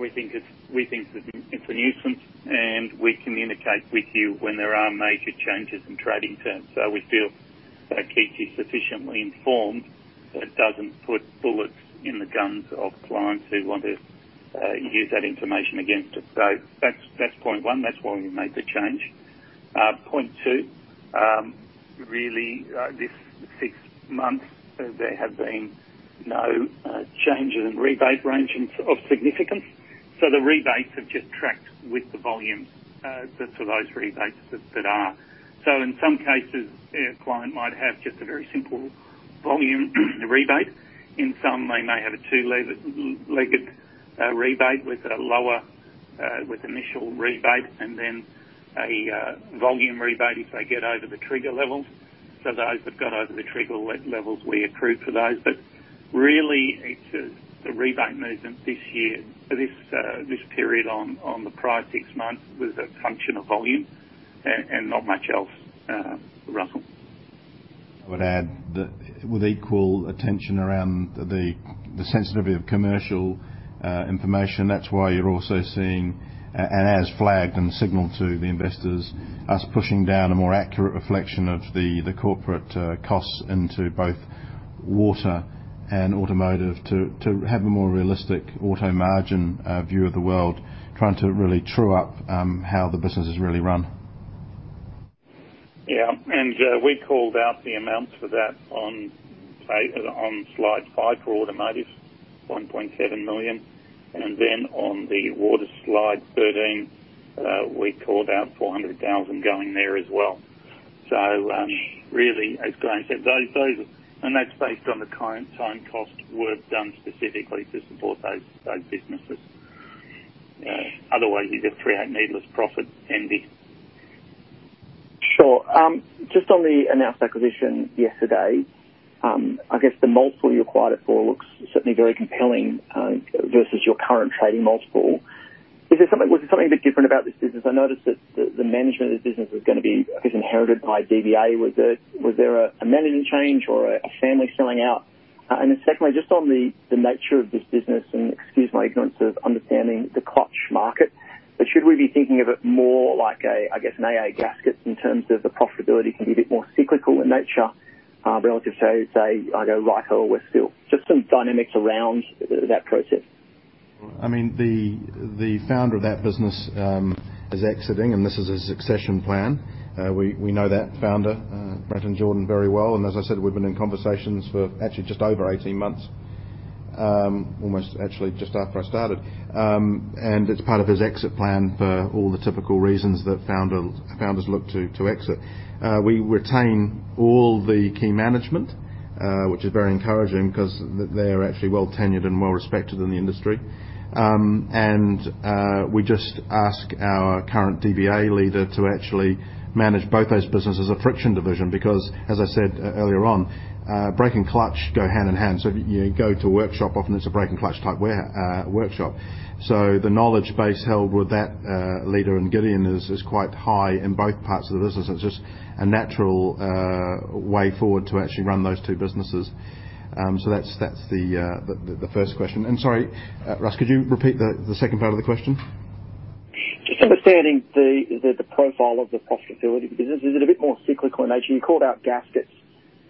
We think it's a nuisance. We communicate with you when there are major changes in trading terms. We feel that keeps you sufficiently informed. It doesn't put bullets in the guns of clients who want to use that information against us. That's point one. That's why we made the change. Point two, really, this sixth month, there have been no changes in rebate range of significance. The rebates have just tracked with the volumes, for those rebates that are. In some cases, a client might have just a very simple volume rebate. In some, they may have a two-legged rebate with a lower, with initial rebate and then a volume rebate if they get over the trigger levels. Those that got over the trigger levels, we accrue for those. Really, the rebate movement this year, this period on the prior six months was a function of volume and not much else, Russell. I would add that with equal attention around the sensitivity of commercial information, that's why you're also seeing as flagged and signaled to the investors, us pushing down a more accurate reflection of the corporate costs into both water and automotive to have a more realistic auto margin view of the world, trying to really true up how the business is really run. Yeah. We called out the amount for that on slide five for automotive, 1.7 million. On the water slide 13, we called out 400,000 going there as well. Really, as Graeme said, and that's based on the current time cost work done specifically to support those businesses. Otherwise, you get [3/8] needless profit envy. Sure. Just on the announced acquisition yesterday, I guess the multiple you acquired it for looks certainly very compelling, versus your current trading multiple. Was there something a bit different about this business? I noticed that the management of the business is inherited by DBA. Was there a management change or a family selling out? Then secondly, just on the nature of this business, and excuse my ignorance of understanding the clutch market, but should we be thinking of it more like a, I guess, an AA Gaskets in terms of the profitability can be a bit more cyclical in nature, relative to, say, either Ryco or Wesfil? Just some dynamics around that process. The founder of that business is exiting, and this is his succession plan. We know that founder, Brenton Jordan, very well, and as I said, we've been in conversations for actually just over 18 months. Almost actually just after I started. It's part of his exit plan for all the typical reasons that founders look to exit. We retain all the key management, which is very encouraging because they're actually well tenured and well respected in the industry. We just ask our current DBA leader to actually manage both those businesses as a friction division because, as I said earlier on, brake and clutch go hand in hand. You go to a workshop, often it's a brake and clutch type workshop. The knowledge base held with that leader and Gideon is quite high in both parts of the business. It's just a natural way forward to actually run those two businesses. That's the first question, and sorry, Russ, could you repeat the second part of the question? Understanding the profile of the profitability business. Is it a bit more cyclical in nature? You called out gaskets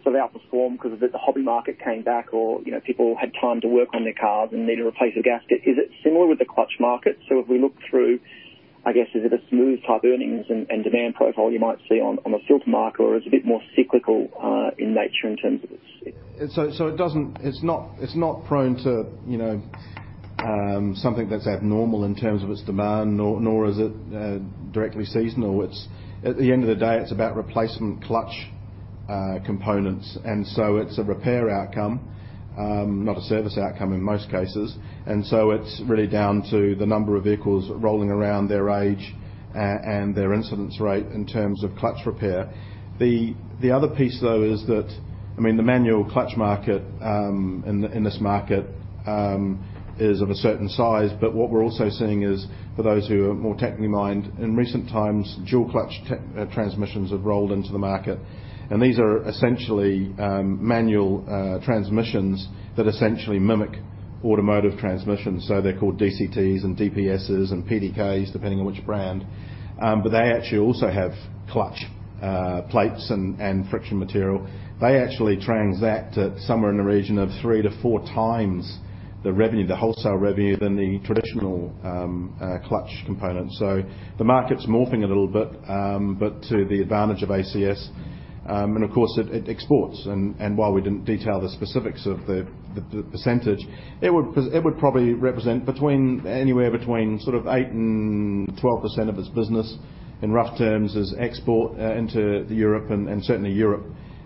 sort of outperformed because of the hobby market came back or people had time to work on their cars and need to replace a gasket. Is it similar with the clutch market? If we look through, I guess, is it a smooth type earnings and demand profile you might see on a filter market, or is it a bit more cyclical in nature in terms of its- It's not prone to something that's abnormal in terms of its demand, nor is it directly seasonal. At the end of the day, it's about replacement clutch components. It's a repair outcome, not a service outcome in most cases. It's really down to the number of vehicles rolling around their age and their incidence rate in terms of clutch repair. The other piece, though, is that the manual clutch market in this market is of a certain size, but what we're also seeing is for those who are more technically-minded, in recent times, dual clutch transmissions have rolled into the market. And these are essentially manual transmissions that essentially mimic automotive transmissions. They're called DCTs and DSGs and PDKs, depending on which brand. They actually also have clutch plates and friction material. They actually transact at somewhere in the region of three to four times the wholesale revenue than the traditional clutch component. The market's morphing a little bit, but to the advantage of ACS, of course, it exports. While we didn't detail the specifics of the percentage, it would probably represent anywhere between 8% and 12% of its business in rough terms as export into Europe and certainly Europe,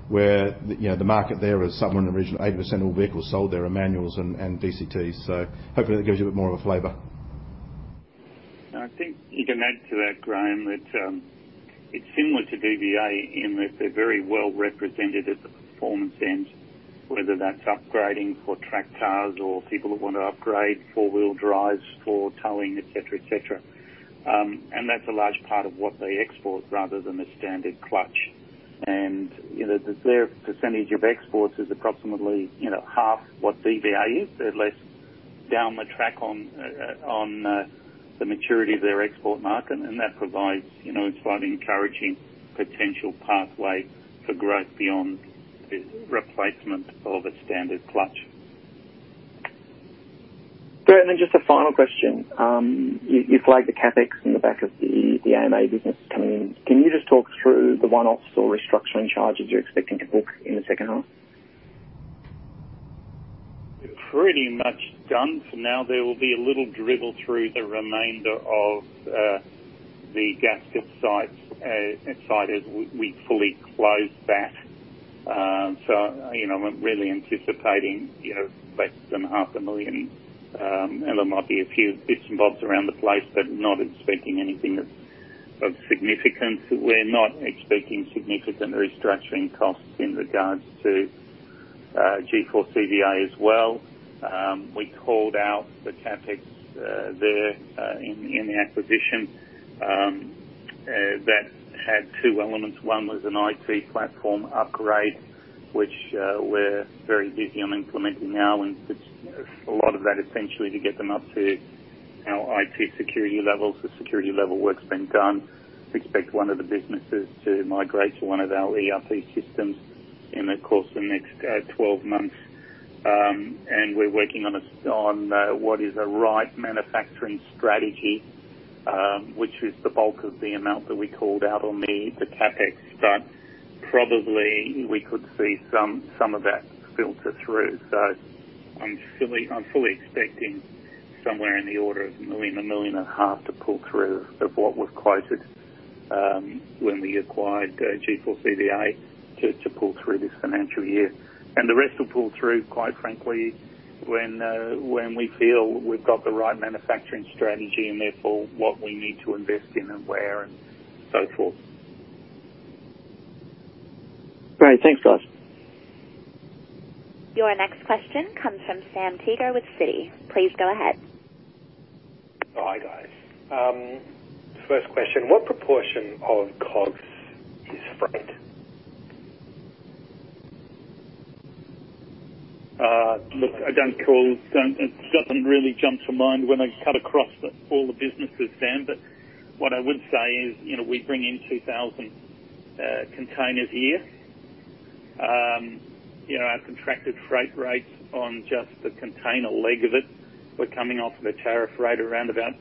where the market there is somewhere in the region of 80% of all vehicles sold there are manuals and DCTs. Hopefully that gives you a bit more of a flavor. I think you can add to that, Graeme, that it's similar to DBA in that they're very well represented at the performance end, whether that's upgrading for track cars or people that want to upgrade four-wheel drives for towing, et cetera. That's a large part of what they export rather than the standard clutch. Their percentage of exports is approximately half what DBA is. They're less down the track on the maturity of their export market, and that provides an encouraging potential pathway for growth beyond the replacement of a standard clutch. Great. Just a final question. You flagged the CapEx in the back of the Amotiv business coming in. Can you just talk through the one-offs or restructuring charges you're expecting to book in the second half? We're pretty much done for now. There will be a little dribble through the remainder of the gasket site as we fully close that. I'm really anticipating less than 500,000, and there might be a few bits and bobs around the place, but not expecting anything that's of significance. We're not expecting significant restructuring costs in regards to G4CVA as well. We called out the CapEx there in the acquisition. That had two elements. One was an IT platform upgrade, which we're very busy on implementing now, and a lot of that essentially to get them up to our IT security levels. The security level work's been done. We expect one of the businesses to migrate to one of our ERP systems in the course of the next 12 months. We're working on what is a right manufacturing strategy, which is the bulk of the amount that we called out on the CapEx. Probably we could see some of that filter through. I'm fully expecting somewhere in the order of 1 million, 1.5 million to pull through of what was closed when we acquired G4CVA to pull through this financial year. The rest will pull through, quite frankly, when we feel we've got the right manufacturing strategy and therefore what we need to invest in and where and so forth. Great. Thanks guys. Your next question comes from Sam Teeger with Citi. Please go ahead. Hi guys. First question, what proportion of COGS is freight? Nothing really jumps to mind when I cut across all the businesses, Sam. What I would say is we bring in 2,000 containers a year. Our contracted freight rates on just the container leg of it were coming off at a tariff rate around about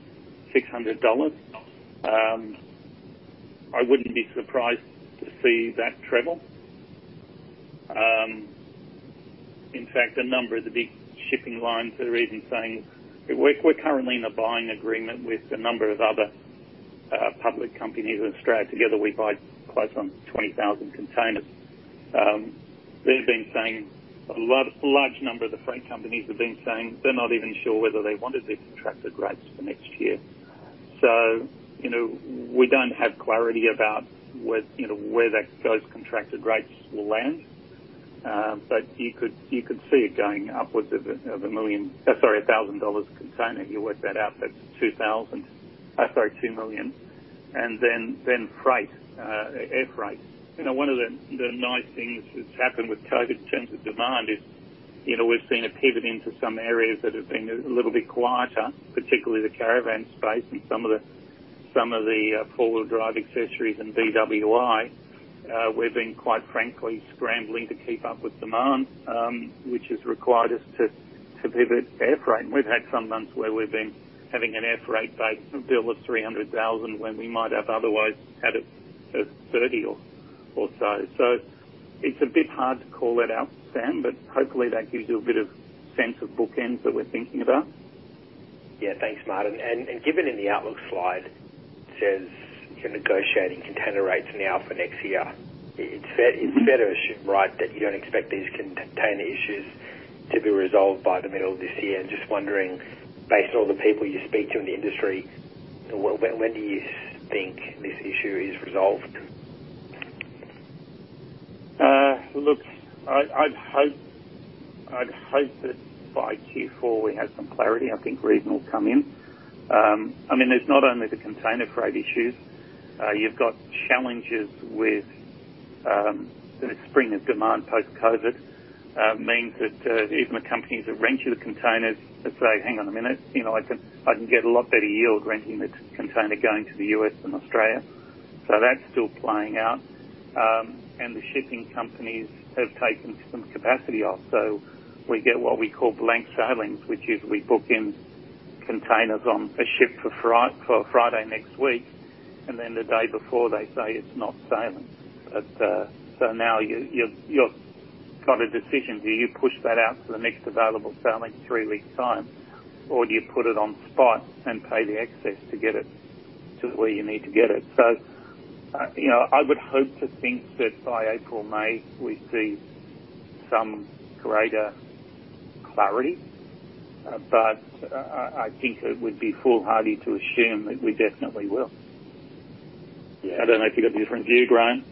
600 dollars. I wouldn't be surprised to see that treble. A number of the big shipping lines that are even saying we're currently in a buying agreement with a number of other public companies in Australia. Together, we buy close on 20,000 containers. A large number of the freight companies have been saying they're not even sure whether they wanted these contracted rates for next year. We don't have clarity about where those contracted rates will land. You could see it going upwards of 1,000 dollars a container. You work that out, that's 2 million. Air freight. One of the nice things that's happened with COVID in terms of demand is we've seen a pivot into some areas that have been a little bit quieter, particularly the caravan space and some of the four-wheel drive accessories and BWI. We've been, quite frankly, scrambling to keep up with demand, which has required us to pivot air freight. We've had some months where we've been having an air freight bill of 300,000 when we might have otherwise had it at 30 or so. It's a bit hard to call it out, Sam, but hopefully that gives you a bit of sense of bookends that we're thinking about. Yeah, thanks, Martin. Given in the outlook slide, it says you're negotiating container rates now for next year. It's fair to assume, right, that you don't expect these container issues to be resolved by the middle of this year? Just wondering, based on all the people you speak to in the industry, when do you think this issue is resolved? I'd hope that by Q4 we have some clarity. I think reason will come in. There's not only the container freight issues. You've got challenges with the spring of demand post-COVID-19 means that even the companies that rent you the containers say, "Hang on a minute, I can get a lot better yield renting this container going to the U.S. than Australia." That's still playing out. The shipping companies have taken some capacity off. We get what we call blank sailings, which is we book in containers on a ship for Friday next week, and then the day before they say it's not sailing. Now you've got a decision. Do you push that out to the next available sailing, three weeks' time? Do you put it on spot and pay the excess to get it to where you need to get it? I would hope to think that by April, May, we see some greater clarity. I think it would be foolhardy to assume that we definitely will. Yeah. I don't know if you've got a different view, Graeme?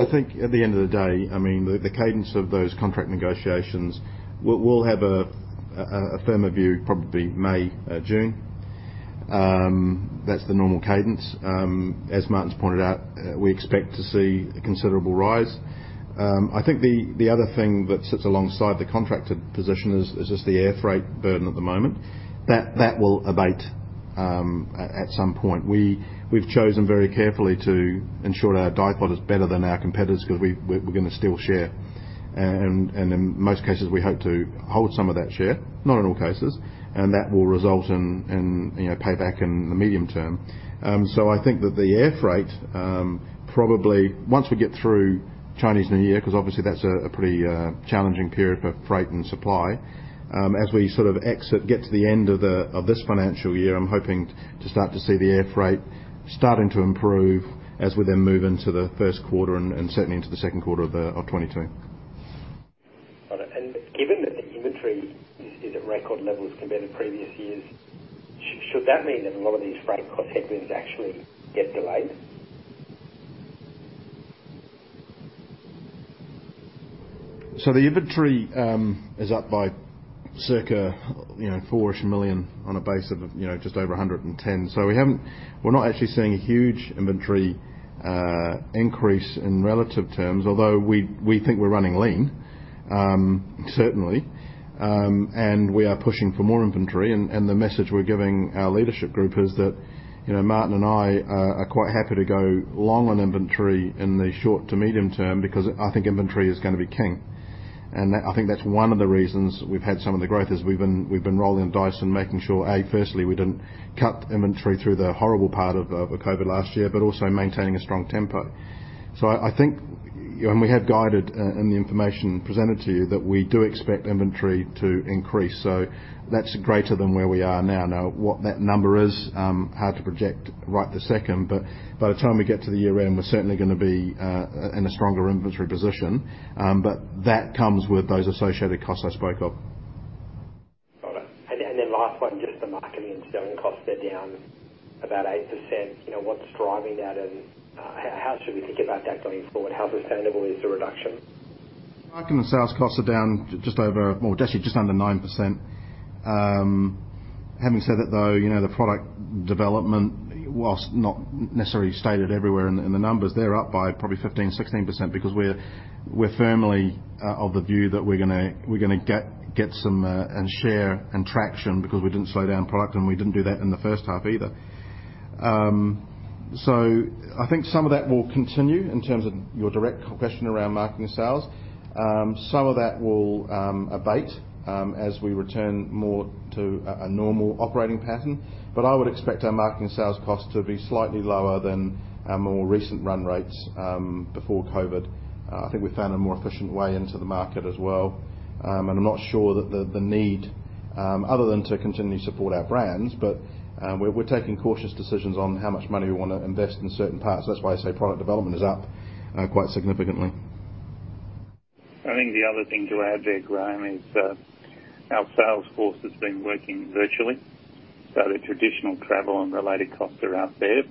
I think at the end of the day, the cadence of those contract negotiations, we'll have a firmer view probably May, June. That's the normal cadence. As Martin's pointed out, we expect to see a considerable rise. I think the other thing that sits alongside the contracted position is just the air freight burden at the moment. That will abate at some point. We've chosen very carefully to ensure our DIFOT is better than our competitors because we're going to steal share. In most cases, we hope to hold some of that share, not in all cases, and that will result in payback in the medium term. I think that the air freight, probably once we get through Chinese New Year, because obviously that's a pretty challenging period for freight and supply. As we sort of exit, get to the end of this financial year, I'm hoping to start to see the air freight starting to improve as we then move into the first quarter and certainly into the second quarter of 2022. Given that the inventory is at record levels compared to previous years, should that mean that a lot of these freight cost headwinds actually get delayed? The inventory is up by circa 4 million on a base of just over 110. We're not actually seeing a huge inventory increase in relative terms, although we think we're running lean, certainly, and we are pushing for more inventory. The message we're giving our leadership group is that Martin and I are quite happy to go long on inventory in the short to medium term because I think inventory is going to be king. I think that's one of the reasons we've had some of the growth, is we've been rolling the dice and making sure, A, firstly, we didn't cut inventory through the horrible part of COVID-19 last year, but also maintaining a strong tempo. I think, and we have guided in the information presented to you, that we do expect inventory to increase. That's greater than where we are now. What that number is, hard to project right this second, but by the time we get to the year end, we're certainly going to be in a stronger inventory position. That comes with those associated costs I spoke of. Got it. Last one, just the marketing and selling costs, they're down about 8%. What's driving that, and how should we think about that going forward? How sustainable is the reduction? Marketing and sales costs are down to just over, well, actually just under 9%. Having said that, though, the product development, whilst not necessarily stated everywhere in the numbers, they're up by probably 15%, 16%, because we're firmly of the view that we're going to get some share and traction because we didn't slow down product, and we didn't do that in the first half either. I think some of that will continue in terms of your direct question around marketing and sales. Some of that will abate as we return more to a normal operating pattern. I would expect our marketing and sales costs to be slightly lower than our more recent run rates before COVID-19. I think we found a more efficient way into the market as well. I'm not sure that the need, other than to continue to support our brands, but we're taking cautious decisions on how much money we want to invest in certain parts. That's why I say product development is up quite significantly. I think the other thing to add there, Graeme, is our sales force has been working virtually, so the traditional travel and related costs are up there.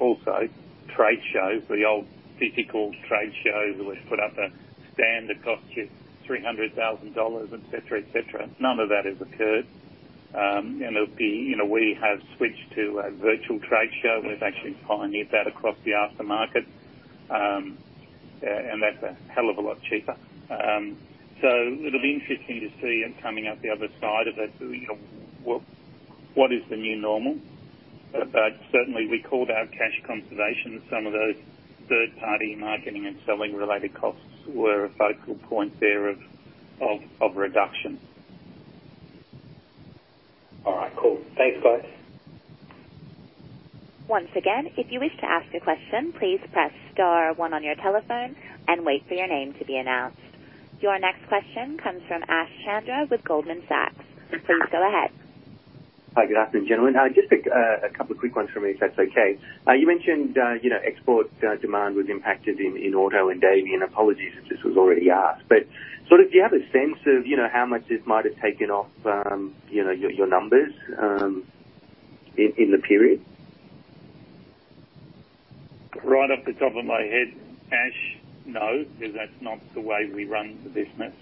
Also trade shows, the old physical trade shows where we put up a stand that cost you 300,000 dollars, et cetera. None of that has occurred. We have switched to a virtual trade show. We've actually pioneered that across the aftermarket, and that's a hell of a lot cheaper. It'll be interesting to see it coming up the other side of that. What is the new normal? Certainly, we called out cash conservation. Some of those third-party marketing and selling related costs were a focal point there of reduction. All right, cool. Thanks, guys. Once again, if you wish to ask a question, please press star one on your telephone and wait for your name to be announced. Your next question comes from Ash Chandra with Goldman Sachs. Please go ahead. Hi, good afternoon, gentlemen. Just a couple of quick ones from me, if that's okay. You mentioned export demand was impacted in auto and Davey, and apologies if this was already asked. Do you have a sense of how much this might have taken off your numbers in the period? Right off the top of my head, Ash, no, because that's not the way we run the business.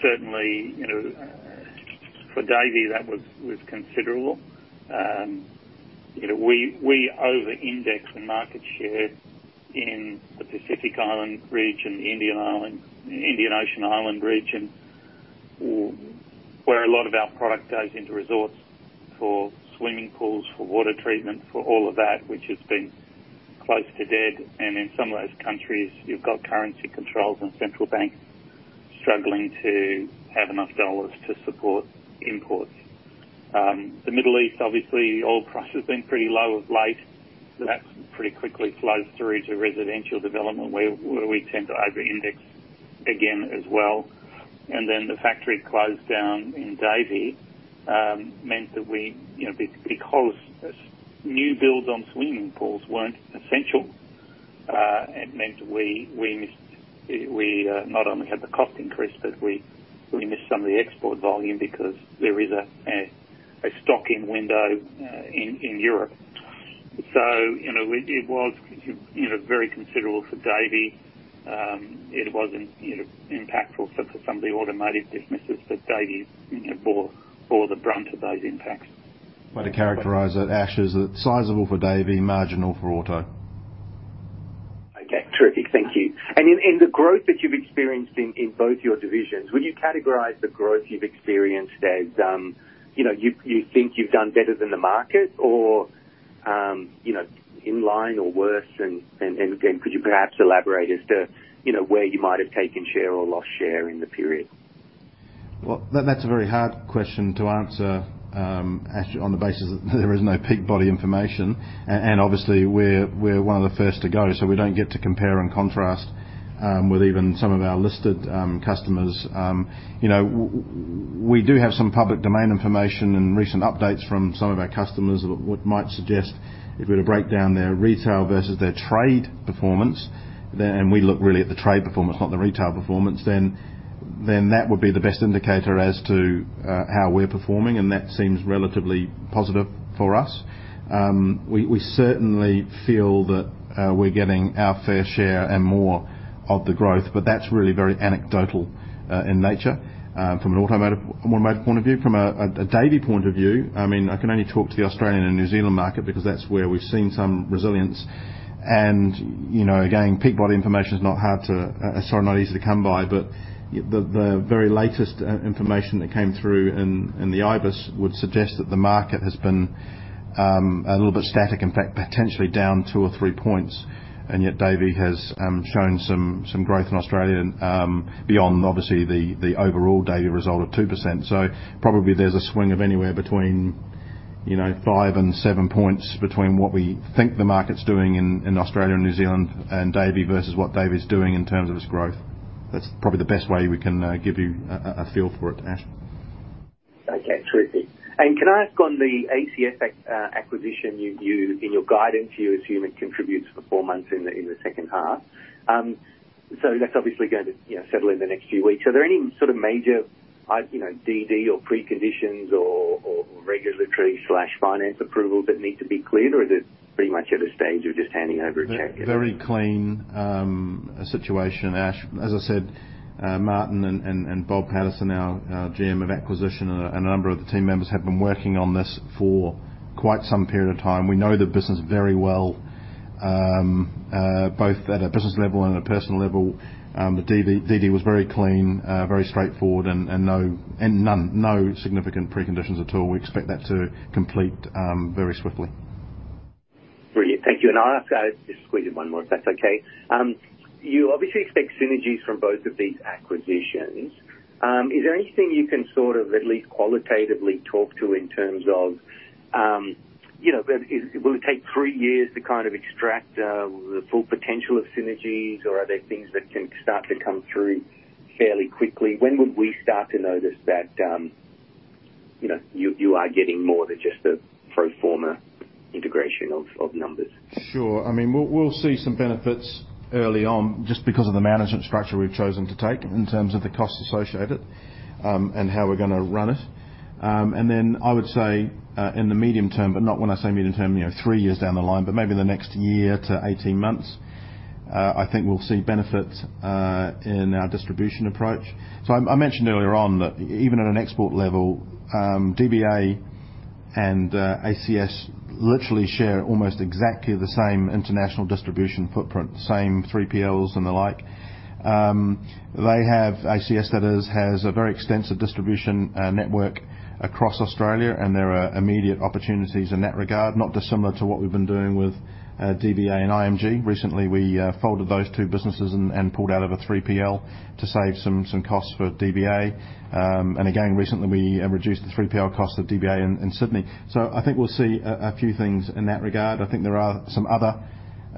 Certainly, for Davey, that was considerable. We over-index in market share in the Pacific Island region, the Indian Ocean Island region, where a lot of our product goes into resorts for swimming pools, for water treatment, for all of that, which has been close to dead. In some of those countries, you've got currency controls and central banks struggling to have enough dollars to support imports. The Middle East, obviously, oil prices have been pretty low of late. That pretty quickly flows through to residential development, where we tend to over-index again as well. The factory closed down in Davey meant that because new builds on swimming pools weren't essential, it meant we not only had the cost increase, but we missed some of the export volume because there is a stocking window in Europe. It was very considerable for Davey. It wasn't impactful for some of the automotive businesses, but Davey bore the brunt of those impacts. Way to characterize it, Ash, is that sizable for Davey, marginal for auto. Okay, terrific. Thank you. The growth that you've experienced in both your divisions, would you categorize the growth you've experienced as you think you've done better than the market or in line or worse? Again, could you perhaps elaborate as to where you might have taken share or lost share in the period? Well, that's a very hard question to answer, Ash, on the basis that there is no peak body information. Obviously, we're one of the first to go, so we don't get to compare and contrast with even some of our listed customers. We do have some public domain information and recent updates from some of our customers that might suggest if we were to break down their retail versus their trade performance, and we look really at the trade performance, not the retail performance, that would be the best indicator as to how we're performing, and that seems relatively positive for us. We certainly feel that we're getting our fair share and more of the growth. That's really very anecdotal in nature from an automotive point of view. From a Davey point of view, I can only talk to the Australian and New Zealand market because that's where we've seen some resilience. Peak body information is not easy to come by, but the very latest information that came through in the IBIS would suggest that the market has been a little bit static, in fact, potentially down two or three points. Davey has shown some growth in Australia beyond obviously the overall data result of 2%. Probably there's a swing of anywhere between five and seven points between what we think the market's doing in Australia and New Zealand and Davey versus what Davey's doing in terms of its growth. That's probably the best way we can give you a feel for it, Ash. Okay. Terrific. Can I ask on the ACS acquisition you've used in your guidance, you assume it contributes for four months in the second half. That's obviously going to settle in the next few weeks. Are there any sort of major DD or preconditions or regulatory/finance approvals that need to be cleared, or is it pretty much at a stage of just handing over a check? Very clean situation, Ash. As I said, Martin and Bob Patterson, our GM of acquisition, and a number of the team members have been working on this for quite some period of time. We know the business very well, both at a business level and a personal level. The DD was very clean, very straightforward and no significant preconditions at all. We expect that to complete very swiftly. Brilliant. Thank you. I'll ask, just squeeze in one more, if that's okay. You obviously expect synergies from both of these acquisitions. Is there anything you can sort of at least qualitatively talk to in terms of will it take three years to kind of extract the full potential of synergies? Are there things that can start to come through fairly quickly? When would we start to notice that you are getting more than just a pro forma integration of numbers? Sure. We'll see some benefits early on just because of the management structure we've chosen to take in terms of the costs associated and how we're going to run it. I would say in the medium term, but not when I say medium term three years down the line, but maybe the next year to 18 months, I think we'll see benefit in our distribution approach. I mentioned earlier on that even at an export level, DBA and ACS literally share almost exactly the same international distribution footprint, same 3PLs and the like. They have, ACS that is, has a very extensive distribution network across Australia, and there are immediate opportunities in that regard, not dissimilar to what we've been doing with DBA and IMG. Recently, we folded those two businesses and pulled out of a 3PL to save some costs for DBA. Again, recently we reduced the 3PL cost of DBA in Sydney. I think we'll see a few things in that regard. I think there are some other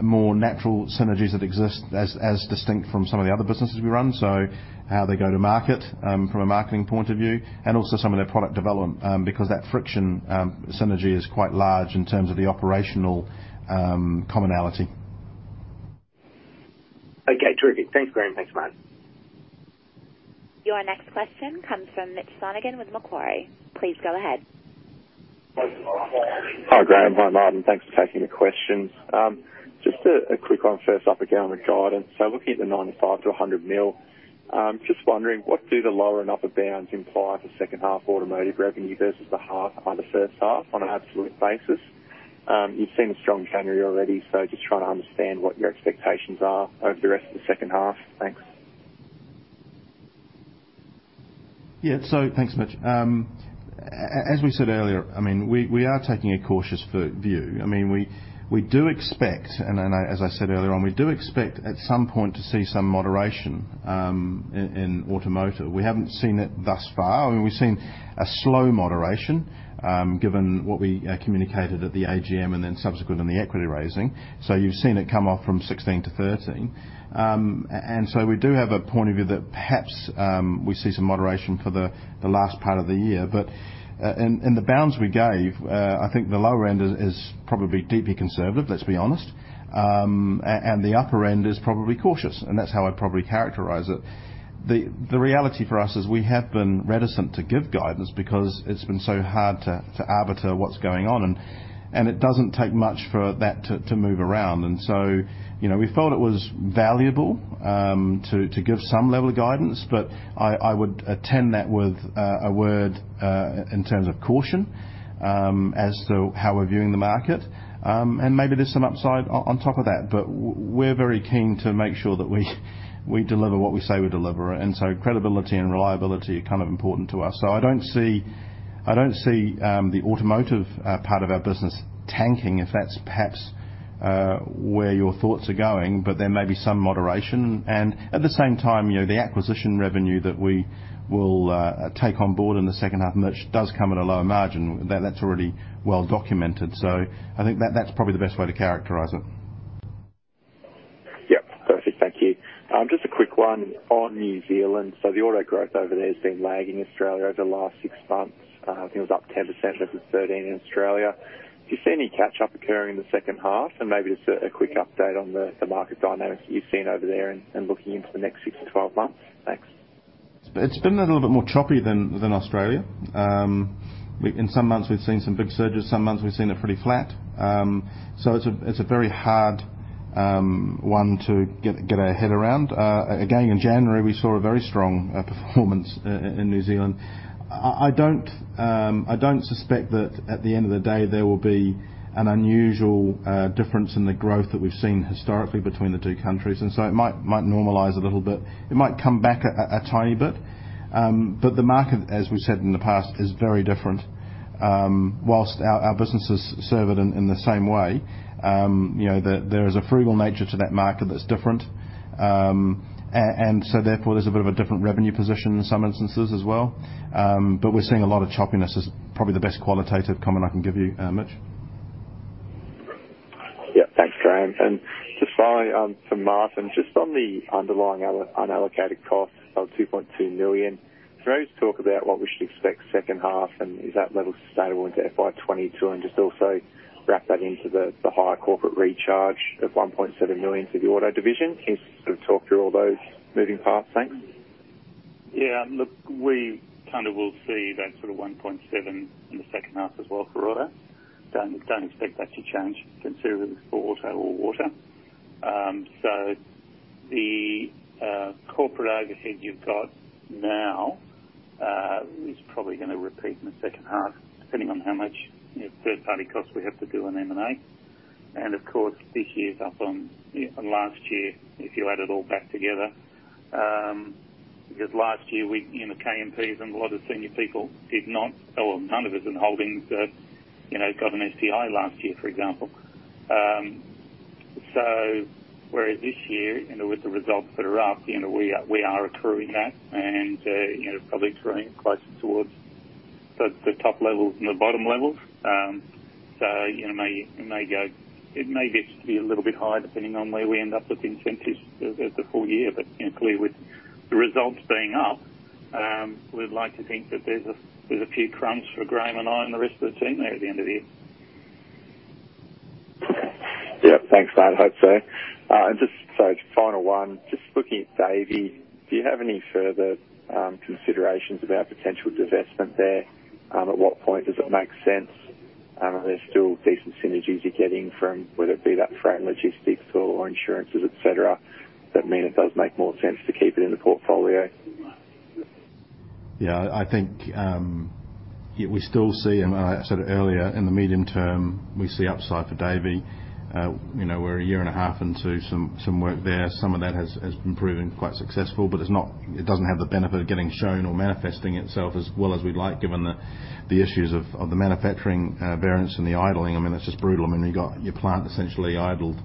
more natural synergies that exist as distinct from some of the other businesses we run. How they go to market from a marketing point of view and also some of their product development because that friction synergy is quite large in terms of the operational commonality. Okay, terrific. Thanks, Graeme. Thanks, Martin. Your next question comes from Mitch Sonogan with Macquarie. Please go ahead. Hi, Graeme. Hi, Martin. Thanks for taking the questions. Just a quick one first up, again, on guidance. Looking at the 95 million-100 million, just wondering, what do the lower and upper bounds imply for second half automotive revenue versus the first half on an absolute basis? You've seen a strong January already, so just trying to understand what your expectations are over the rest of the second half. Thanks. Yeah. Thanks, Mitch. As we said earlier, we are taking a cautious view. We do expect, as I said earlier on, we do expect at some point to see some moderation in automotive. We haven't seen it thus far. We've seen a slow moderation given what we communicated at the AGM and then subsequent in the equity raising. You've seen it come off from 16 to 13. We do have a point of view that perhaps we see some moderation for the last part of the year. In the bounds we gave, I think the lower end is probably deeply conservative, let's be honest. The upper end is probably cautious, and that's how I'd probably characterize it. The reality for us is we have been reticent to give guidance because it's been so hard to arbiter what's going on, and it doesn't take much for that to move around. We felt it was valuable to give some level of guidance, but I would attend that with a word in terms of caution as to how we're viewing the market. We're very keen to make sure that we deliver what we say we deliver. Credibility and reliability are kind of important to us. I don't see the automotive part of our business tanking, if that's perhaps where your thoughts are going. There may be some moderation. At the same time, the acquisition revenue that we will take on board in the second half, which does come at a lower margin, that's already well documented. I think that's probably the best way to characterize it. Yep. Perfect. Thank you. Just a quick one on New Zealand. The auto growth over there has been lagging Australia over the last 6 months. I think it was up 10% versus 13 in Australia. Do you see any catch up occurring in the second half? Maybe just a quick update on the market dynamics that you're seeing over there and looking into the next six to 12 months. Thanks. It's been a little bit more choppy than Australia. In some months we've seen some big surges, some months we've seen it pretty flat. It's a very hard one to get our head around. Again, in January, we saw a very strong performance in New Zealand. I don't suspect that at the end of the day there will be an unusual difference in the growth that we've seen historically between the two countries. It might normalize a little bit. It might come back a tiny bit. The market, as we've said in the past, is very different. Whilst our businesses serve it in the same way, there is a frugal nature to that market that's different. Therefore, there's a bit of a different revenue position in some instances as well. We're seeing a lot of choppiness is probably the best qualitative comment I can give you, Mitch. Yeah, thanks, Graeme. Just finally, for Martin, just on the underlying unallocated cost of 2.2 million, can you talk about what we should expect second half, and is that level sustainable into FY 2022? Just also wrap that into the higher corporate recharge of 1.7 million for the auto division. Can you sort of talk through all those moving parts? Thanks. Look, we kind of will see that sort of 1.7 million in the second half as well for auto. Don't expect that to change considerably for auto or water. The corporate overhead you've got now is probably going to repeat in the second half, depending on how much third-party costs we have to do on M&A. Of course, this year is up on last year if you add it all back together. Because last year, KMPs and a lot of senior people did not, none of us in holdings got an STI last year, for example. Whereas this year, with the results that are up, we are accruing that and probably accruing it closer towards the top levels than the bottom levels. It may get to be a little bit higher depending on where we end up with the incentives for the full year. Clearly, with the results being up, we'd like to think that there's a few crumbs for Graeme and I and the rest of the team there at the end of the year. Yeah. Thanks, mate. Hope so. Just so final one, just looking at Davey, do you have any further considerations about potential divestment there? At what point does it make sense? Are there still decent synergies you're getting from, whether it be that freight logistics or insurances, et cetera, that mean it does make more sense to keep it in the portfolio? Yeah, I think we still see, and I said it earlier, in the medium term, we see upside for Davey. We're a year and a half into some work there. Some of that has been proven quite successful, but it doesn't have the benefit of getting shown or manifesting itself as well as we'd like, given the issues of the manufacturing variance and the idling. I mean, that's just brutal. You've got your plant essentially idled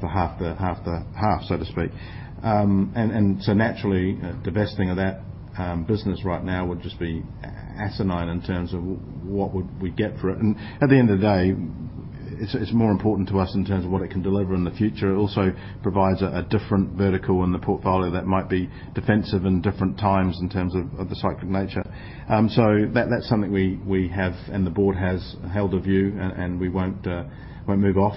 for half the half, so to speak. Naturally, divesting of that business right now would just be asinine in terms of what would we get for it. At the end of the day, it's more important to us in terms of what it can deliver in the future. It also provides a different vertical in the portfolio that might be defensive in different times in terms of the cyclic nature. That's something we have, and the board has held a view, and we won't move off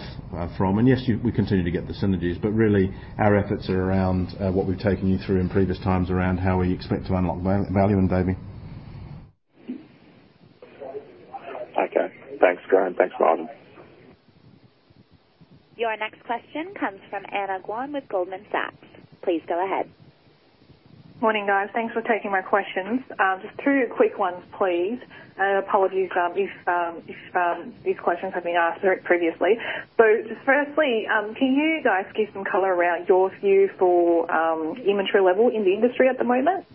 from. Yes, we continue to get the synergies, but really our efforts are around what we've taken you through in previous times around how we expect to unlock value in Davey. Okay. Thanks, Graeme. Thanks, Martin. Your next question comes from Anna Guan with Goldman Sachs. Please go ahead. Morning, guys. Thanks for taking my questions. Just two quick ones, please. Apologies if these questions have been asked previously. Just firstly, can you guys give some color around your view for inventory level in the industry at the moment?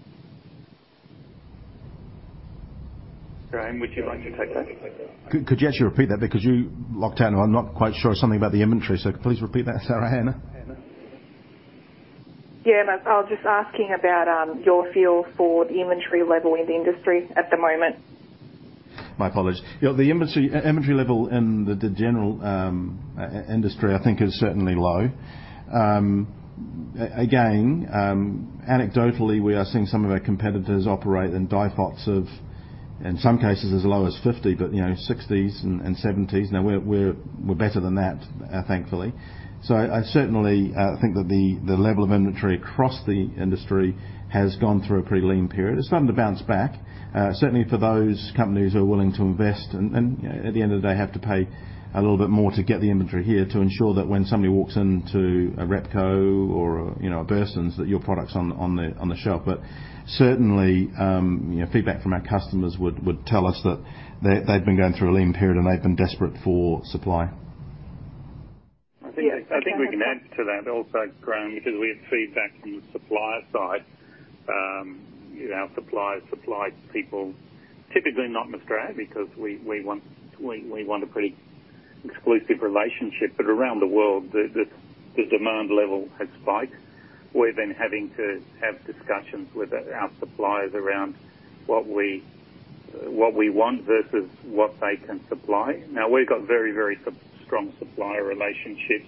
Graeme, would you like to take that? Could you actually repeat that? Because you locked in and I'm not quite sure. Something about the inventory. Please repeat that, Anna. Yeah, man. I was just asking about your feel for the inventory level in the industry at the moment. My apologies. The inventory level in the general industry I think is certainly low. Again, anecdotally, we are seeing some of our competitors operate in DIFOTs of, in some cases as low as 50, but 60s and 70s. We're better than that, thankfully. I certainly think that the level of inventory across the industry has gone through a pretty lean period. It's starting to bounce back, certainly for those companies who are willing to invest and at the end of the day, have to pay a little bit more to get the inventory here to ensure that when somebody walks into a Repco or a Burson's, that your product's on the shelf. Certainly, feedback from our customers would tell us that they've been going through a lean period and they've been desperate for supply. Yeah. I think we can add to that also, Graeme, because we have feedback from the supplier side. Our suppliers supply people, typically not in Australia because we want a pretty exclusive relationship. Around the world, the demand level has spiked. We've been having to have discussions with our suppliers around what we want versus what they can supply. Now, we've got very, very strong supplier relationships.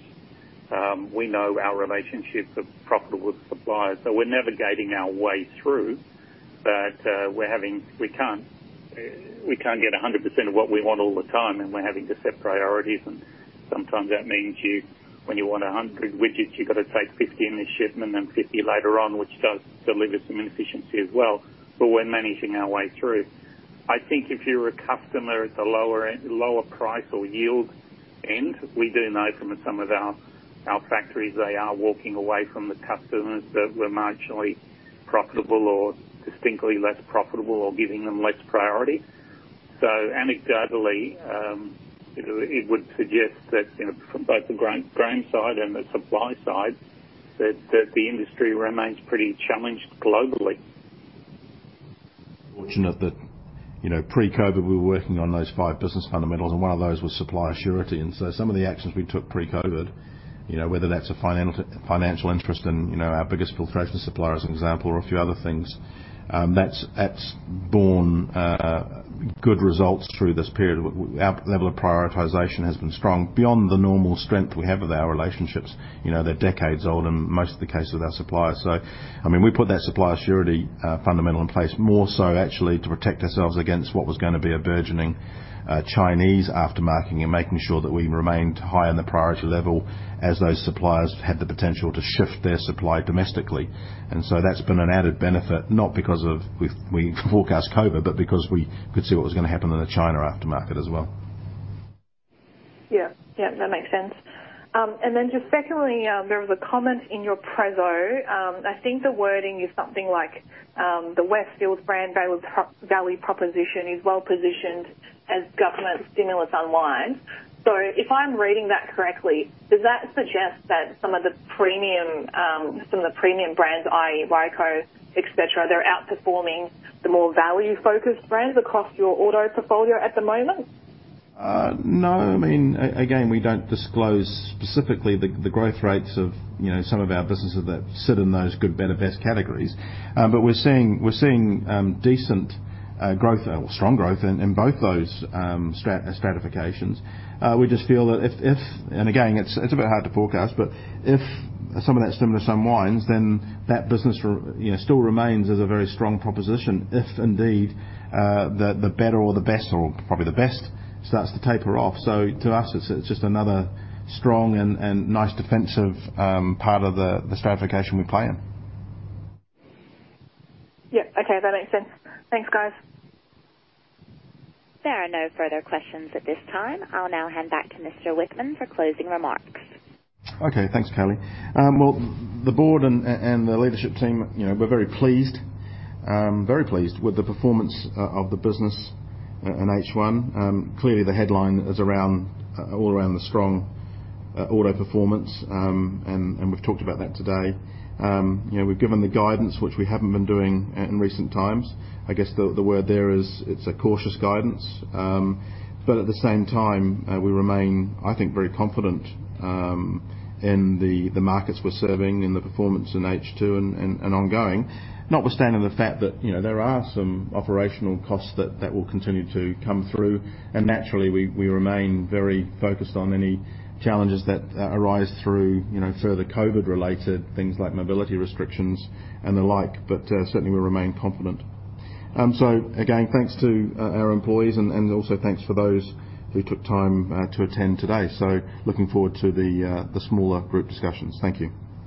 We know our relationships are proper with suppliers, so we're navigating our way through. We can't get 100% of what we want all the time, and we're having to set priorities. Sometimes that means when you want 100 widgets, you've got to take 50 in this shipment and 50 later on, which does deliver some efficiency as well, but we're managing our way through. I think if you're a customer at the lower price or yield end, we do know from some of our factories, they are walking away from the customers that were marginally profitable or distinctly less profitable or giving them less priority. Anecdotally, it would suggest that from both the grain side and the supply side, that the industry remains pretty challenged globally. Fortunate that pre-COVID-19, we were working on those five business fundamentals, one of those was supply surety. Some of the actions we took pre-COVID-19, whether that's a financial interest in our biggest filtration supplier, as an example, or a few other things, that's borne good results through this period. Our level of prioritization has been strong beyond the normal strength we have with our relationships. They're decades old in most of the cases with our suppliers. We put that supplier surety fundamental in place more so actually to protect ourselves against what was going to be a burgeoning Chinese aftermarket and making sure that we remained high on the priority level as those suppliers had the potential to shift their supply domestically. That's been an added benefit, not because we forecast COVID-19, but because we could see what was going to happen in the China aftermarket as well. Yeah. That makes sense. Just secondly, there was a comment in your preso. I think the wording is something like, "The Wesfil brand value proposition is well positioned as government stimulus unwinds." If I'm reading that correctly, does that suggest that some of the premium brands, i.e., Ryco, et cetera, they're outperforming the more value-focused brands across your auto portfolio at the moment? No. We don't disclose specifically the growth rates of some of our businesses that sit in those good, better, best categories. We're seeing decent growth or strong growth in both those stratifications. We just feel that if, and again, it's a bit hard to forecast, but if some of that stimulus unwinds, then that business still remains as a very strong proposition, if indeed, the better or the best or probably the best starts to taper off. To us, it's just another strong and nice defensive part of the stratification we play in. Yeah. Okay. That makes sense. Thanks, guys. There are no further questions at this time. I'll now hand back to Mr. Wichkman for closing remarks. Okay. Thanks, Kelly. Well, the board and the leadership team, we're very pleased with the performance of the business in H1. Clearly, the headline is all around the strong auto performance, and we've talked about that today. We've given the guidance, which we haven't been doing in recent times. I guess the word there is it's a cautious guidance. At the same time, we remain, I think, very confident in the markets we're serving, in the performance in H2 and ongoing, notwithstanding the fact that there are some operational costs that will continue to come through. Naturally, we remain very focused on any challenges that arise through further COVID-related things like mobility restrictions and the like. Certainly, we remain confident. Again, thanks to our employees and also thanks for those who took time to attend today. Looking forward to the smaller group discussions. Thank you.